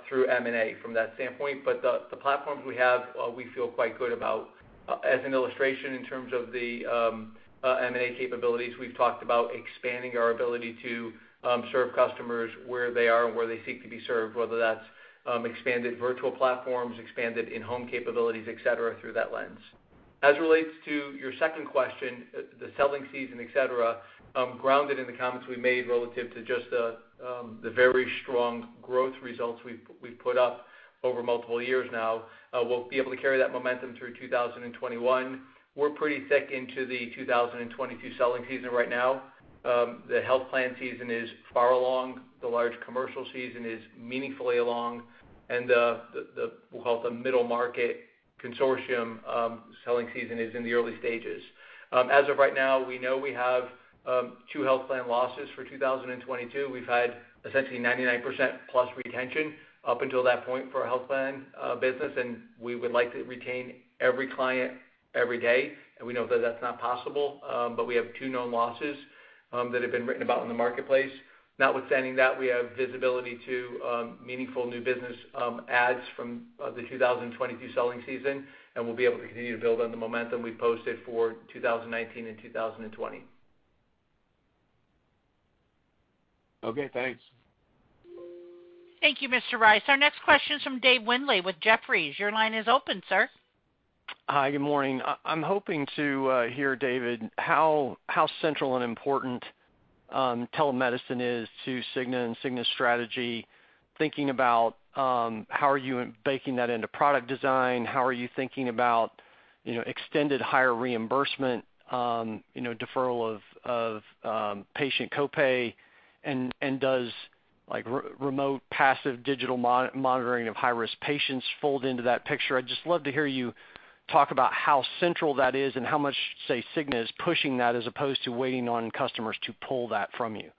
Speaker 3: through M&A from that standpoint. The platforms we have, we feel quite good about. As an illustration in terms of the M&A capabilities, we've talked about expanding our ability to serve customers where they are and where they seek to be served, whether that's expanded virtual platforms, expanded in-home capabilities, et cetera, through that lens. As relates to your second question, the selling season, et cetera, grounded in the comments we made relative to just the very strong growth results we've put up. Over multiple years now, we'll be able to carry that momentum through 2021. We're pretty thick into the 2022 selling season right now. The health plan season is far along. The large commercial season is meaningfully along, and the, we'll call it the middle market consortium selling season is in the early stages. As of right now, we know we have two health plan losses for 2022. We've had essentially 99%+ retention up until that point for our health plan business, and we would like to retain every client every day, and we know that's not possible. We have two known losses that have been written about in the marketplace. Notwithstanding that, we have visibility to meaningful new business adds from the 2022 selling season, and we'll be able to continue to build on the momentum we've posted for 2019 and 2020.
Speaker 11: Okay, thanks.
Speaker 1: Thank you, Mr. Rice. Our next question is from Dave Windley with Jefferies. Your line is open, sir.
Speaker 12: Hi, good morning. I'm hoping to hear, David, how central and important telemedicine is to Cigna and Cigna's strategy, thinking about how are you baking that into product design, how are you thinking about extended higher reimbursement, deferral of patient copay, and does remote passive digital monitoring of high-risk patients fold into that picture? I'd just love to hear you talk about how central that is and how much, say, Cigna is pushing that as opposed to waiting on customers to pull that from you.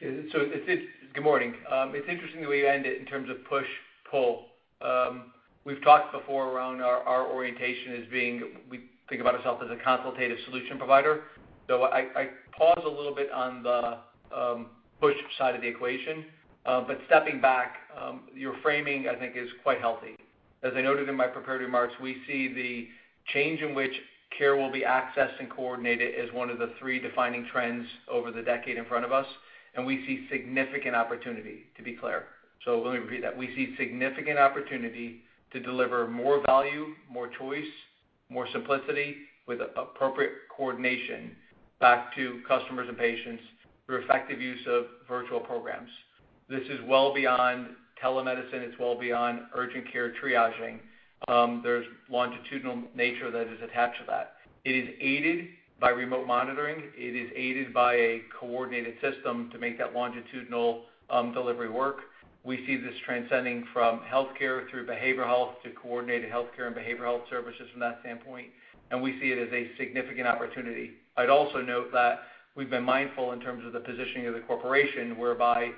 Speaker 3: Good morning. It's interesting the way you end it in terms of push, pull. We've talked before around our orientation as being, we think about ourselves as a consultative solution provider. I pause a little bit on the push side of the equation. Stepping back, your framing, I think is quite healthy. As I noted in my prepared remarks, we see the change in which care will be accessed and coordinated as one of the three defining trends over the decade in front of us, and we see significant opportunity, to be clear. Let me repeat that. We see significant opportunity to deliver more value, more choice, more simplicity with appropriate coordination back to customers and patients through effective use of virtual programs. This is well beyond telemedicine, it's well beyond urgent care triaging. There's longitudinal nature that is attached to that. It is aided by remote monitoring. It is aided by a coordinated system to make that longitudinal delivery work. We see this transcending from healthcare through behavioral health to coordinated healthcare and behavioral health services from that standpoint. We see it as a significant opportunity. I'd also note that we've been mindful in terms of the positioning of the corporation, whereby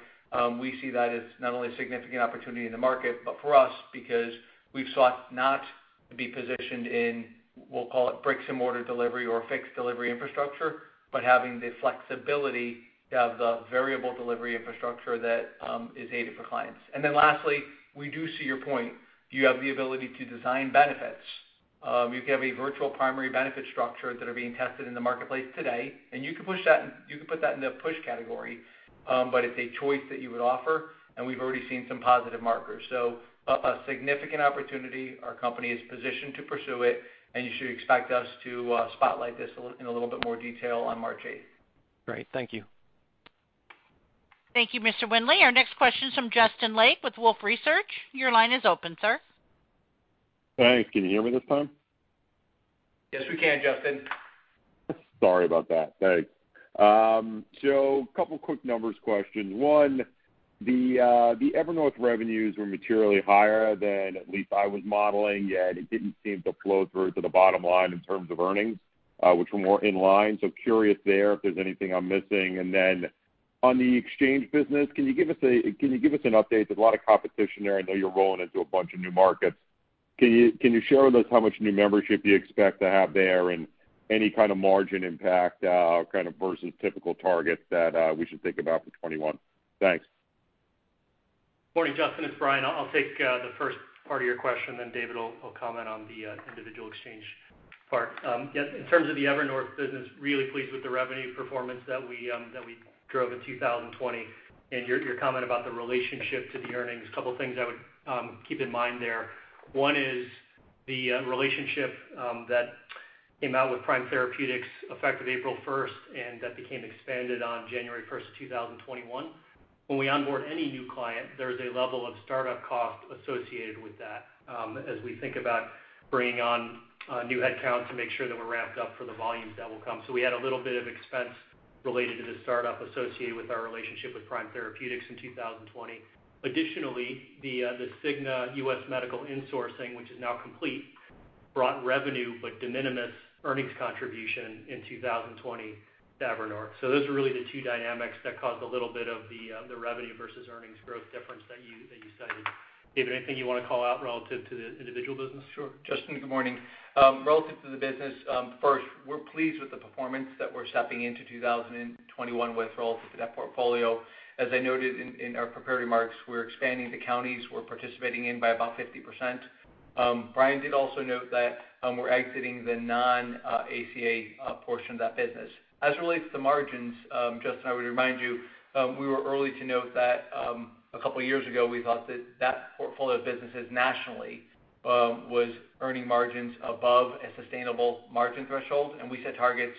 Speaker 3: we see that as not only a significant opportunity in the market, but for us, because we've sought not to be positioned in, we'll call it bricks-and-mortar delivery or fixed delivery infrastructure, but having the flexibility of the variable delivery infrastructure that is aided for clients. Lastly, we do see your point. You have the ability to design benefits. You can have a virtual primary benefit structure that are being tested in the marketplace today, and you can put that in the push category, but it's a choice that you would offer, and we've already seen some positive markers. A significant opportunity. Our company is positioned to pursue it, and you should expect us to spotlight this in a little bit more detail on March 8th.
Speaker 12: Great. Thank you.
Speaker 1: Thank you, Mr. Windley. Our next question is from Justin Lake with Wolfe Research. Your line is open, sir.
Speaker 13: Thanks. Can you hear me this time?
Speaker 3: Yes, we can, Justin.
Speaker 13: Sorry about that. Thanks. A couple quick numbers questions. One, the Evernorth revenues were materially higher than at least I was modeling, yet it didn't seem to flow through to the bottom line in terms of earnings, which were more in line. Curious there if there's anything I'm missing. On the exchange business, can you give us an update? There's a lot of competition there. I know you're rolling into a bunch of new markets. Can you share with us how much new membership you expect to have there and any kind of margin impact kind of versus typical targets that we should think about for 2021? Thanks.
Speaker 4: Morning, Justin. It's Brian. I'll take the first part of your question, then David will comment on the individual exchange part. In terms of the Evernorth business, really pleased with the revenue performance that we drove in 2020, and your comment about the relationship to the earnings, couple things I would keep in mind there. One is the relationship that came out with Prime Therapeutics effective April 1st, and that became expanded on January 1st, 2021. When we onboard any new client, there is a level of startup cost associated with that as we think about bringing on new headcount to make sure that we're ramped up for the volumes that will come. We had a little bit of expense related to the startup associated with our relationship with Prime Therapeutics in 2020. The Cigna US Medical insourcing, which is now complete, brought revenue, but de minimis earnings contribution in 2020 to Evernorth. Those are really the two dynamics that caused a little bit of the revenue versus earnings growth difference that you cited. David, anything you want to call out relative to the individual business?
Speaker 3: Sure. Justin, good morning. Relative to the business, first, we're pleased with the performance that we're stepping into 2021 with relative to that portfolio. As I noted in our prepared remarks, we're expanding the counties we're participating in by about 50%. Brian did also note that we're exiting the non-ACA portion of that business. As it relates to margins, Justin, I would remind you, we were early to note that a couple years ago, we thought that that portfolio of businesses nationally was earning margins above a sustainable margin threshold, and we set targets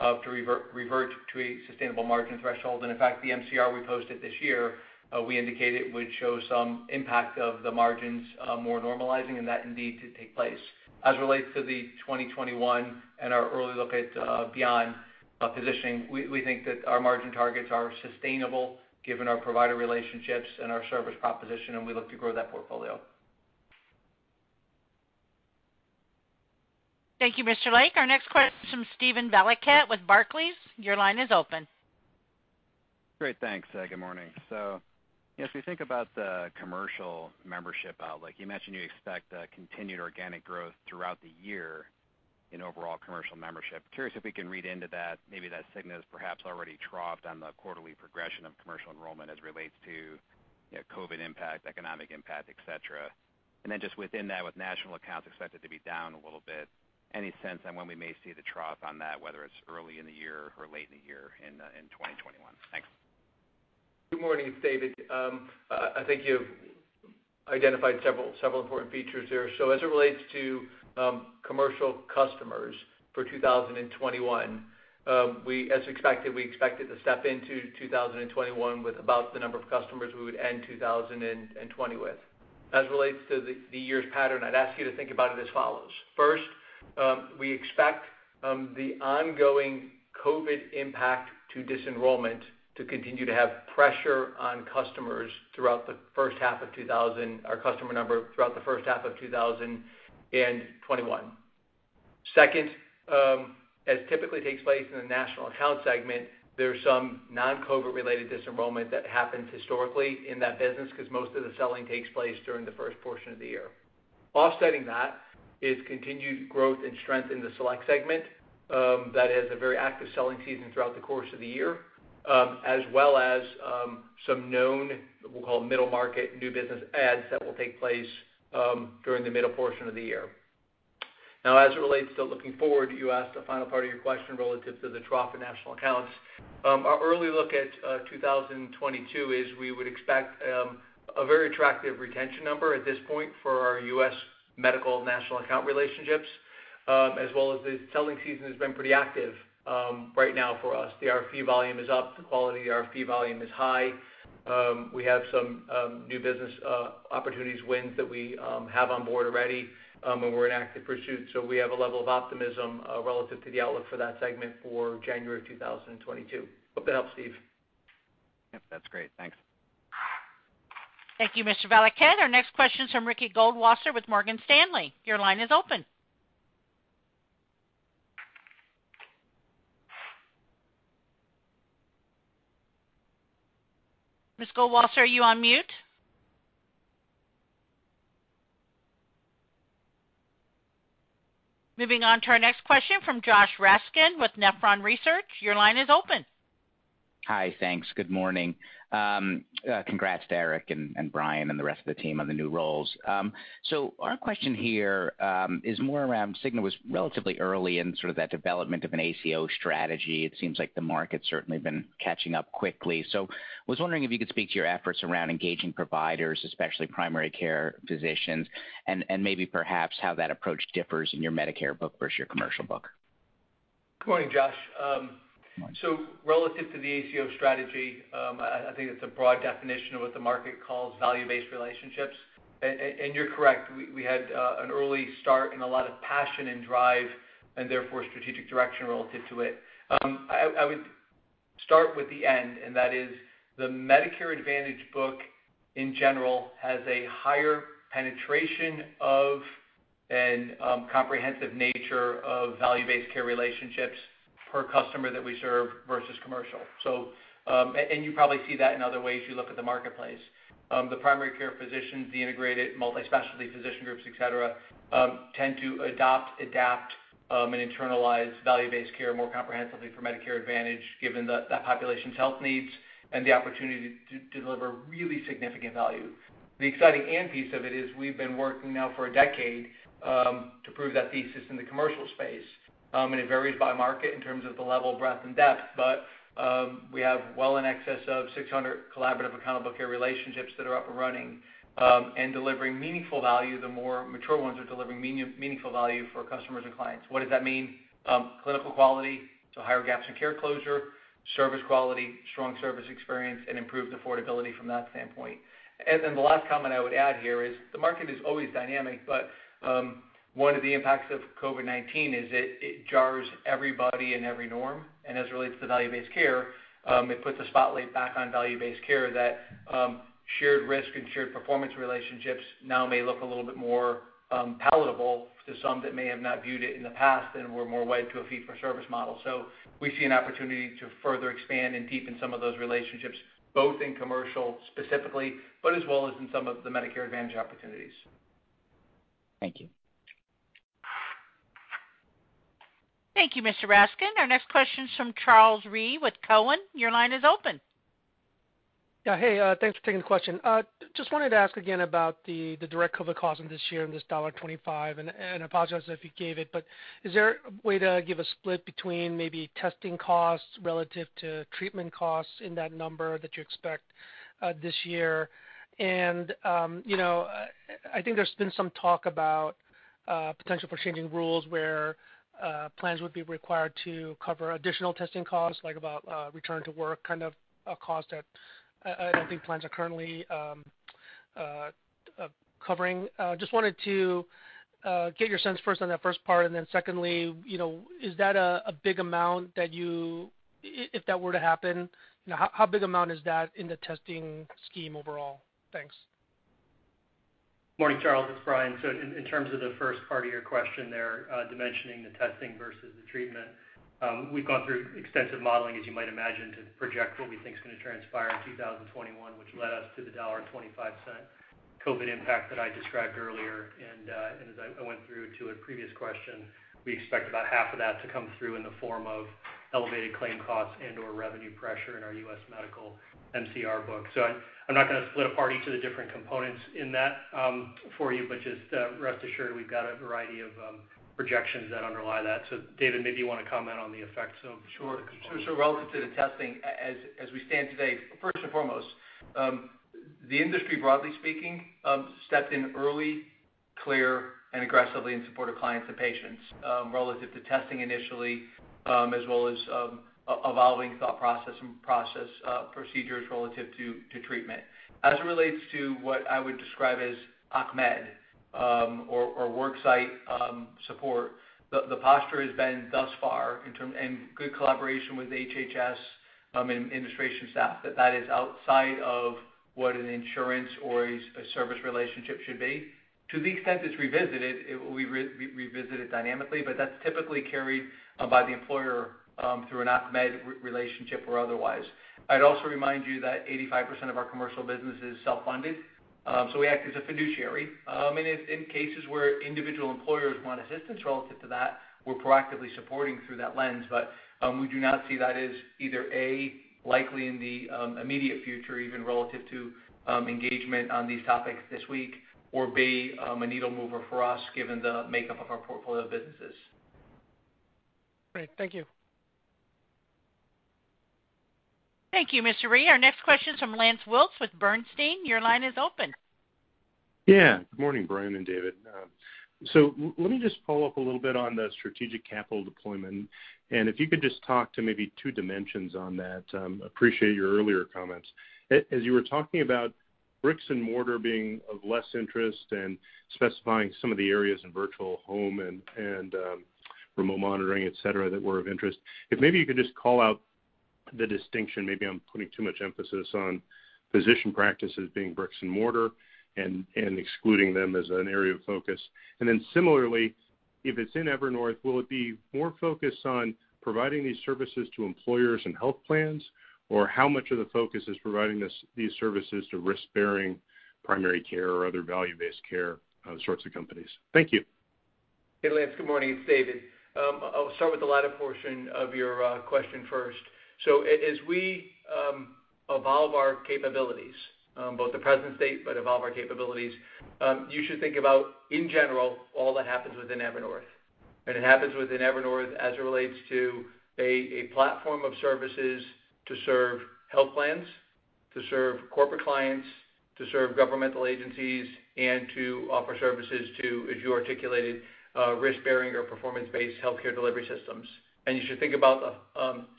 Speaker 3: to revert to a sustainable margin threshold. In fact, the MCR we posted this year, we indicated it would show some impact of the margins more normalizing, and that indeed did take place. As it relates to the 2021 and our early look at beyond positioning, we think that our margin targets are sustainable given our provider relationships and our service proposition, and we look to grow that portfolio.
Speaker 1: Thank you, Mr. Lake. Our next question is from Steven Valiquette with Barclays. Your line is open.
Speaker 14: Great. Thanks. Good morning. As we think about the commercial membership outlook, you mentioned you expect continued organic growth throughout the year in overall commercial membership. Curious if we can read into that, maybe that Cigna has perhaps already troughed on the quarterly progression of commercial enrollment as relates to COVID impact, economic impact, et cetera. Then just within that, with National Accounts expected to be down a little bit, any sense on when we may see the trough on that, whether it's early in the year or late in the year in 2021? Thanks.
Speaker 3: Good morning. It's David. I think you've identified several important features there. As it relates to commercial customers for 2021, as expected, we expected to step into 2021 with about the number of customers we would end 2020 with. As it relates to the year's pattern, I'd ask you to think about it as follows. First, we expect the ongoing COVID impact to disenrollment to continue to have pressure on our customer number throughout the first half of 2021. Second, as typically takes place in the national account segment, there's some non-COVID related disenrollment that happens historically in that business because most of the selling takes place during the first portion of the year. Offsetting that is continued growth and strength in the Select segment that has a very active selling season throughout the course of the year, as well as some known, we'll call middle market new business adds that will take place during the middle portion of the year. Now, as it relates to looking forward, you asked the final part of your question relative to the trough in national accounts. Our early look at 2022 is we would expect a very attractive retention number at this point for our U.S. Medical national account relationships, as well as the selling season has been pretty active right now for us. The RFP volume is up. The quality RFP volume is high. We have some new business opportunities wins that we have on board already, and we're in active pursuit. We have a level of optimism relative to the outlook for that segment for January of 2022. Hope that helps, Steven.
Speaker 14: Yep, that's great. Thanks.
Speaker 1: Thank you, Mr. Valiquette. Our next question is from Ricky Goldwasser with Morgan Stanley. Your line is open. Ms. Goldwasser, are you on mute? Moving on to our next question from Josh Raskin with Nephron Research. Your line is open.
Speaker 15: Hi. Thanks. Good morning. Congrats to Eric and Brian and the rest of the team on the new roles. Our question here is more around Cigna was relatively early in sort of that development of an ACO strategy. It seems like the market's certainly been catching up quickly. Was wondering if you could speak to your efforts around engaging providers, especially primary care physicians, and maybe perhaps how that approach differs in your Medicare book versus your commercial book.
Speaker 3: Good morning, Josh.
Speaker 15: Morning.
Speaker 3: Relative to the ACO strategy, I think it's a broad definition of what the market calls value-based relationships. You're correct, we had an early start and a lot of passion and drive, and therefore strategic direction relative to it. I would start with the end, and that is the Medicare Advantage book in general has a higher penetration of, and comprehensive nature of value-based care relationships per customer that we serve versus commercial. You probably see that in other ways you look at the marketplace. The primary care physicians, the integrated multi-specialty physician groups, et cetera, tend to adopt, adapt, and internalize value-based care more comprehensively for Medicare Advantage, given that population's health needs and the opportunity to deliver really significant value. The exciting end piece of it is we've been working now for a decade to prove that thesis in the commercial space, and it varies by market in terms of the level of breadth and depth. We have well in excess of 600 collaborative accountable care relationships that are up and running, and delivering meaningful value. The more mature ones are delivering meaningful value for customers and clients. What does that mean? Clinical quality, so higher gaps in care closure, service quality, strong service experience, and improved affordability from that standpoint. The last comment I would add here is the market is always dynamic, but one of the impacts of COVID-19 is it jars everybody and every norm. As it relates to value-based care, it puts a spotlight back on value-based care that shared risk and shared performance relationships now may look a little bit more palatable to some that may have not viewed it in the past and were more loath to a fee-for-service model. We see an opportunity to further expand and deepen some of those relationships, both in commercial specifically, but as well as in some of the Medicare Advantage opportunities.
Speaker 15: Thank you.
Speaker 1: Thank you, Mr. Raskin. Our next question is from Charles Rhyee with Cowen. Your line is open.
Speaker 16: Yeah. Hey, thanks for taking the question. Just wanted to ask again about the direct COVID cost in this year and this $1.25, and apologize if you gave it, but is there a way to give a split between maybe testing costs relative to treatment costs in that number that you expect this year? I think there's been some talk about potential for changing rules where plans would be required to cover additional testing costs, like about return to work kind of cost that I don't think plans are currently covering. Just wanted to get your sense first on that first part, and then secondly, if that were to happen, how big amount is that in the testing scheme overall? Thanks.
Speaker 4: Morning, Charles, it's Brian. In terms of the first part of your question there, dimensioning the testing versus the treatment. We've gone through extensive modeling, as you might imagine, to project what we think is going to transpire in 2021, which led us to the $1.25 COVID impact that I described earlier. As I went through to a previous question, we expect about half of that to come through in the form of elevated claim costs and/or revenue pressure in our U.S. Medical MCR book. I'm not going to split apart each of the different components in that for you, but just rest assured, we've got a variety of projections that underlie that. David, maybe you want to comment on the effects of.
Speaker 3: Sure. Relative to the testing, as we stand today, first and foremost, the industry, broadly speaking, stepped in early, clear, and aggressively in support of clients and patients, relative to testing initially, as well as evolving thought process and process procedures relative to treatment. As it relates to what I would describe as Occ Med or worksite support, the posture has been thus far, in good collaboration with HHS and administration staff, that that is outside of what an insurance or a service relationship should be. To the extent it's revisited, we revisit it dynamically, but that's typically carried by the employer through an Occ Med relationship or otherwise. I'd also remind you that 85% of our commercial business is self-funded, so we act as a fiduciary. In cases where individual employers want assistance relative to that, we're proactively supporting through that lens. We do not see that as either, A, likely in the immediate future, even relative to engagement on these topics this week, or B, a needle mover for us, given the makeup of our portfolio of businesses.
Speaker 16: Great. Thank you.
Speaker 1: Thank you, Mr. Rice. Our next question is from Lance Wilkes with Bernstein. Your line is open.
Speaker 17: Good morning, Brian and David. Let me just follow up a little bit on the strategic capital deployment, and if you could just talk to maybe two dimensions on that. Appreciate your earlier comments. As you were talking about bricks and mortar being of less interest and specifying some of the areas in virtual home and remote monitoring, et cetera, that were of interest. If maybe you could just call out the distinction, maybe I'm putting too much emphasis on physician practices being bricks and mortar and excluding them as an area of focus. And then similarly, if it's in Evernorth, will it be more focused on providing these services to employers and health plans? Or how much of the focus is providing these services to risk-bearing primary care or other value-based care sorts of companies? Thank you.
Speaker 3: Hey, Lance, good morning. It's David. I'll start with the latter portion of your question first. As we evolve our capabilities, both the present state, but evolve our capabilities, you should think about, in general, all that happens within Evernorth. It happens within Evernorth as it relates to a platform of services to serve health plans, to serve corporate clients, to serve governmental agencies, and to offer services to, as you articulated, risk-bearing or performance-based healthcare delivery systems. You should think about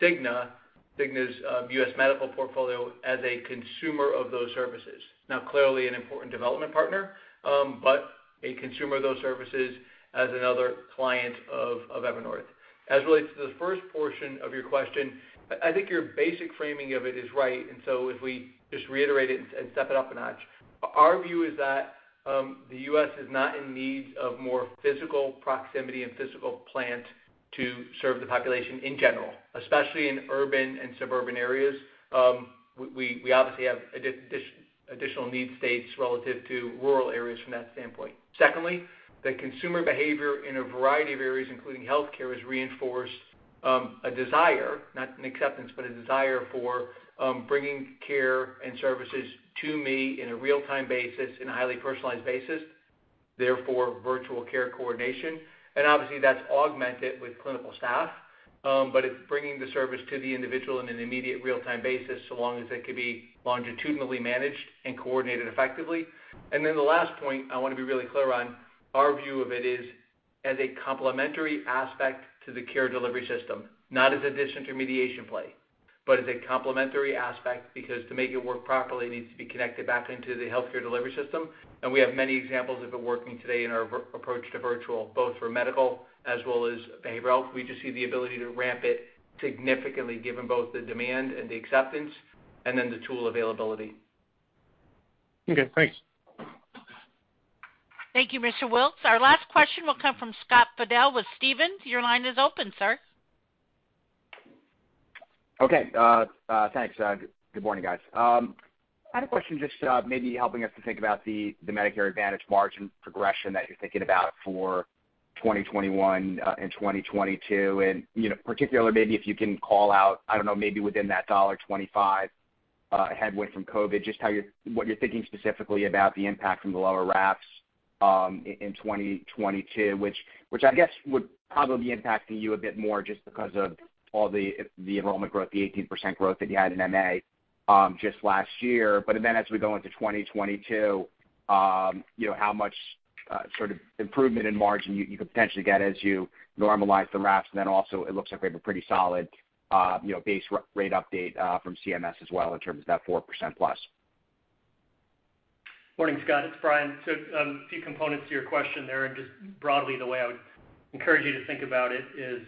Speaker 3: Cigna's US Medical portfolio as a consumer of those services. Now, clearly an important development partner, but a consumer of those services as another client of Evernorth. As it relates to the first portion of your question, I think your basic framing of it is right, and so if we just reiterate it and step it up a notch. Our view is that the U.S. is not in need of more physical proximity and physical plant to serve the population in general, especially in urban and suburban areas. We obviously have additional need states relative to rural areas from that standpoint. Secondly, the consumer behavior in a variety of areas, including healthcare, has reinforced a desire, not an acceptance, but a desire for bringing care and services to me in a real-time basis in a highly personalized basis. Therefore, virtual care coordination, and obviously, that's augmented with clinical staff, but it's bringing the service to the individual in an immediate real-time basis, so long as it can be longitudinally managed and coordinated effectively. Then the last point I want to be really clear on, our view of it is as a complementary aspect to the care delivery system. Not as addition to mediation play, but as a complementary aspect, because to make it work properly, it needs to be connected back into the healthcare delivery system. We have many examples of it working today in our approach to virtual, both for medical as well as behavioral health. We just see the ability to ramp it significantly given both the demand and the acceptance, and then the tool availability.
Speaker 17: Okay, thanks.
Speaker 1: Thank you, Mr. Wilkes. Our last question will come from Scott Fidel with Stephens. Your line is open, sir.
Speaker 18: Okay, thanks. Good morning, guys. I had a question just maybe helping us to think about the Medicare Advantage margin progression that you're thinking about for 2021 and 2022. Particularly, maybe if you can call out, I don't know, maybe within that $1.25 headwind from COVID, just what you're thinking specifically about the impact from the lower RAPS in 2022. Which I guess would probably be impacting you a bit more just because of all the enrollment growth, the 18% growth that you had in MA just last year. As we go into 2022, how much sort of improvement in margin you could potentially get as you normalize the RAPS, and also it looks like we have a pretty solid base rate update from CMS as well in terms of that 4%+.
Speaker 4: Morning, Scott. It's Brian. A few components to your question there, and just broadly the way I would encourage you to think about it is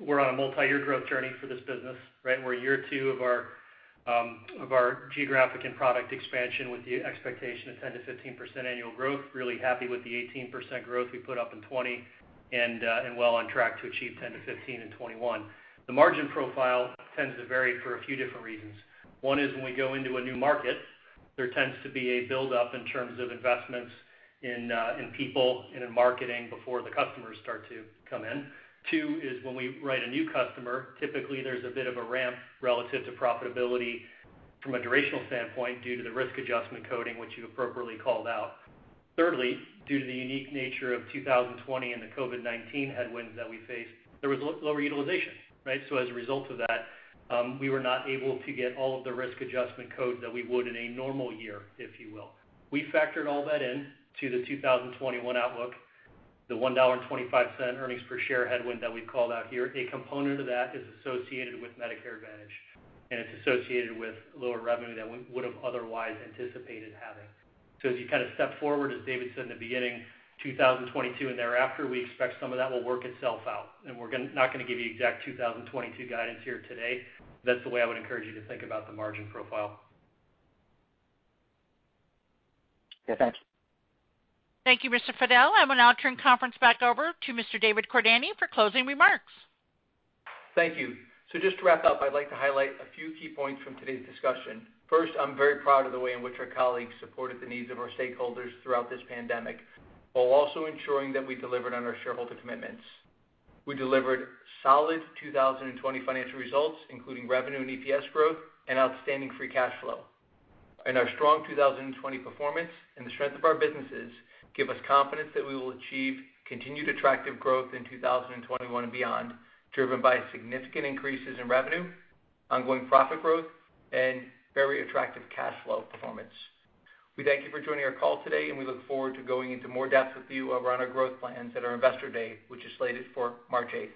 Speaker 4: we're on a multiyear growth journey for this business, right? We're year two of our geographic and product expansion with the expectation of 10%-15% annual growth. Really happy with the 18% growth we put up in 2020, and well on track to achieve 10%-15% in 2021. The margin profile tends to vary for a few different reasons. One is when we go into a new market, there tends to be a buildup in terms of investments in people and in marketing before the customers start to come in. Two is when we write a new customer, typically there's a bit of a ramp relative to profitability from a durational standpoint due to the risk adjustment coding, which you appropriately called out. Thirdly, due to the unique nature of 2020 and the COVID-19 headwinds that we faced, there was lower utilization, right? As a result of that, we were not able to get all of the risk adjustment codes that we would in a normal year, if you will. We factored all that into the 2021 outlook, the $1.25 earnings per share headwind that we've called out here. A component of that is associated with Medicare Advantage, it's associated with lower revenue that we would've otherwise anticipated having. As you kind of step forward, as David said in the beginning, 2022 and thereafter, we expect some of that will work itself out. We're not going to give you exact 2022 guidance here today. That's the way I would encourage you to think about the margin profile.
Speaker 18: Yeah, thanks.
Speaker 1: Thank you, Mr. Fidel. I will now turn the conference back over to Mr. David Cordani for closing remarks.
Speaker 3: Thank you. Just to wrap up, I'd like to highlight a few key points from today's discussion. First, I'm very proud of the way in which our colleagues supported the needs of our stakeholders throughout this pandemic, while also ensuring that we delivered on our shareholder commitments. We delivered solid 2020 financial results, including revenue and EPS growth and outstanding free cash flow. Our strong 2020 performance and the strength of our businesses give us confidence that we will achieve continued attractive growth in 2021 and beyond, driven by significant increases in revenue, ongoing profit growth, and very attractive cash flow performance. We thank you for joining our call today, and we look forward to going into more depth with you around our growth plans at our Investor Day, which is slated for March 8th.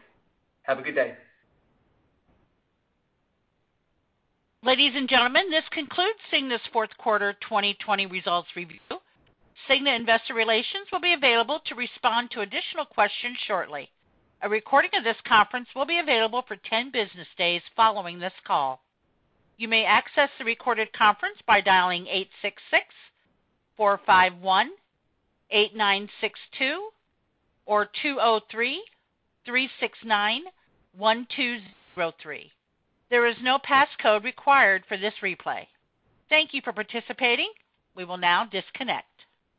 Speaker 3: Have a good day.
Speaker 1: Ladies and gentlemen, this concludes Cigna's fourth quarter 2020 results review. Cigna Investor Relations will be available to respond to additional questions shortly. A recording of this conference will be available for 10 business days following this call. You may access the recorded conference by dialing 866-451-8962 or 203-369-1203. There is no passcode required for this replay. Thank you for participating. We will now disconnect.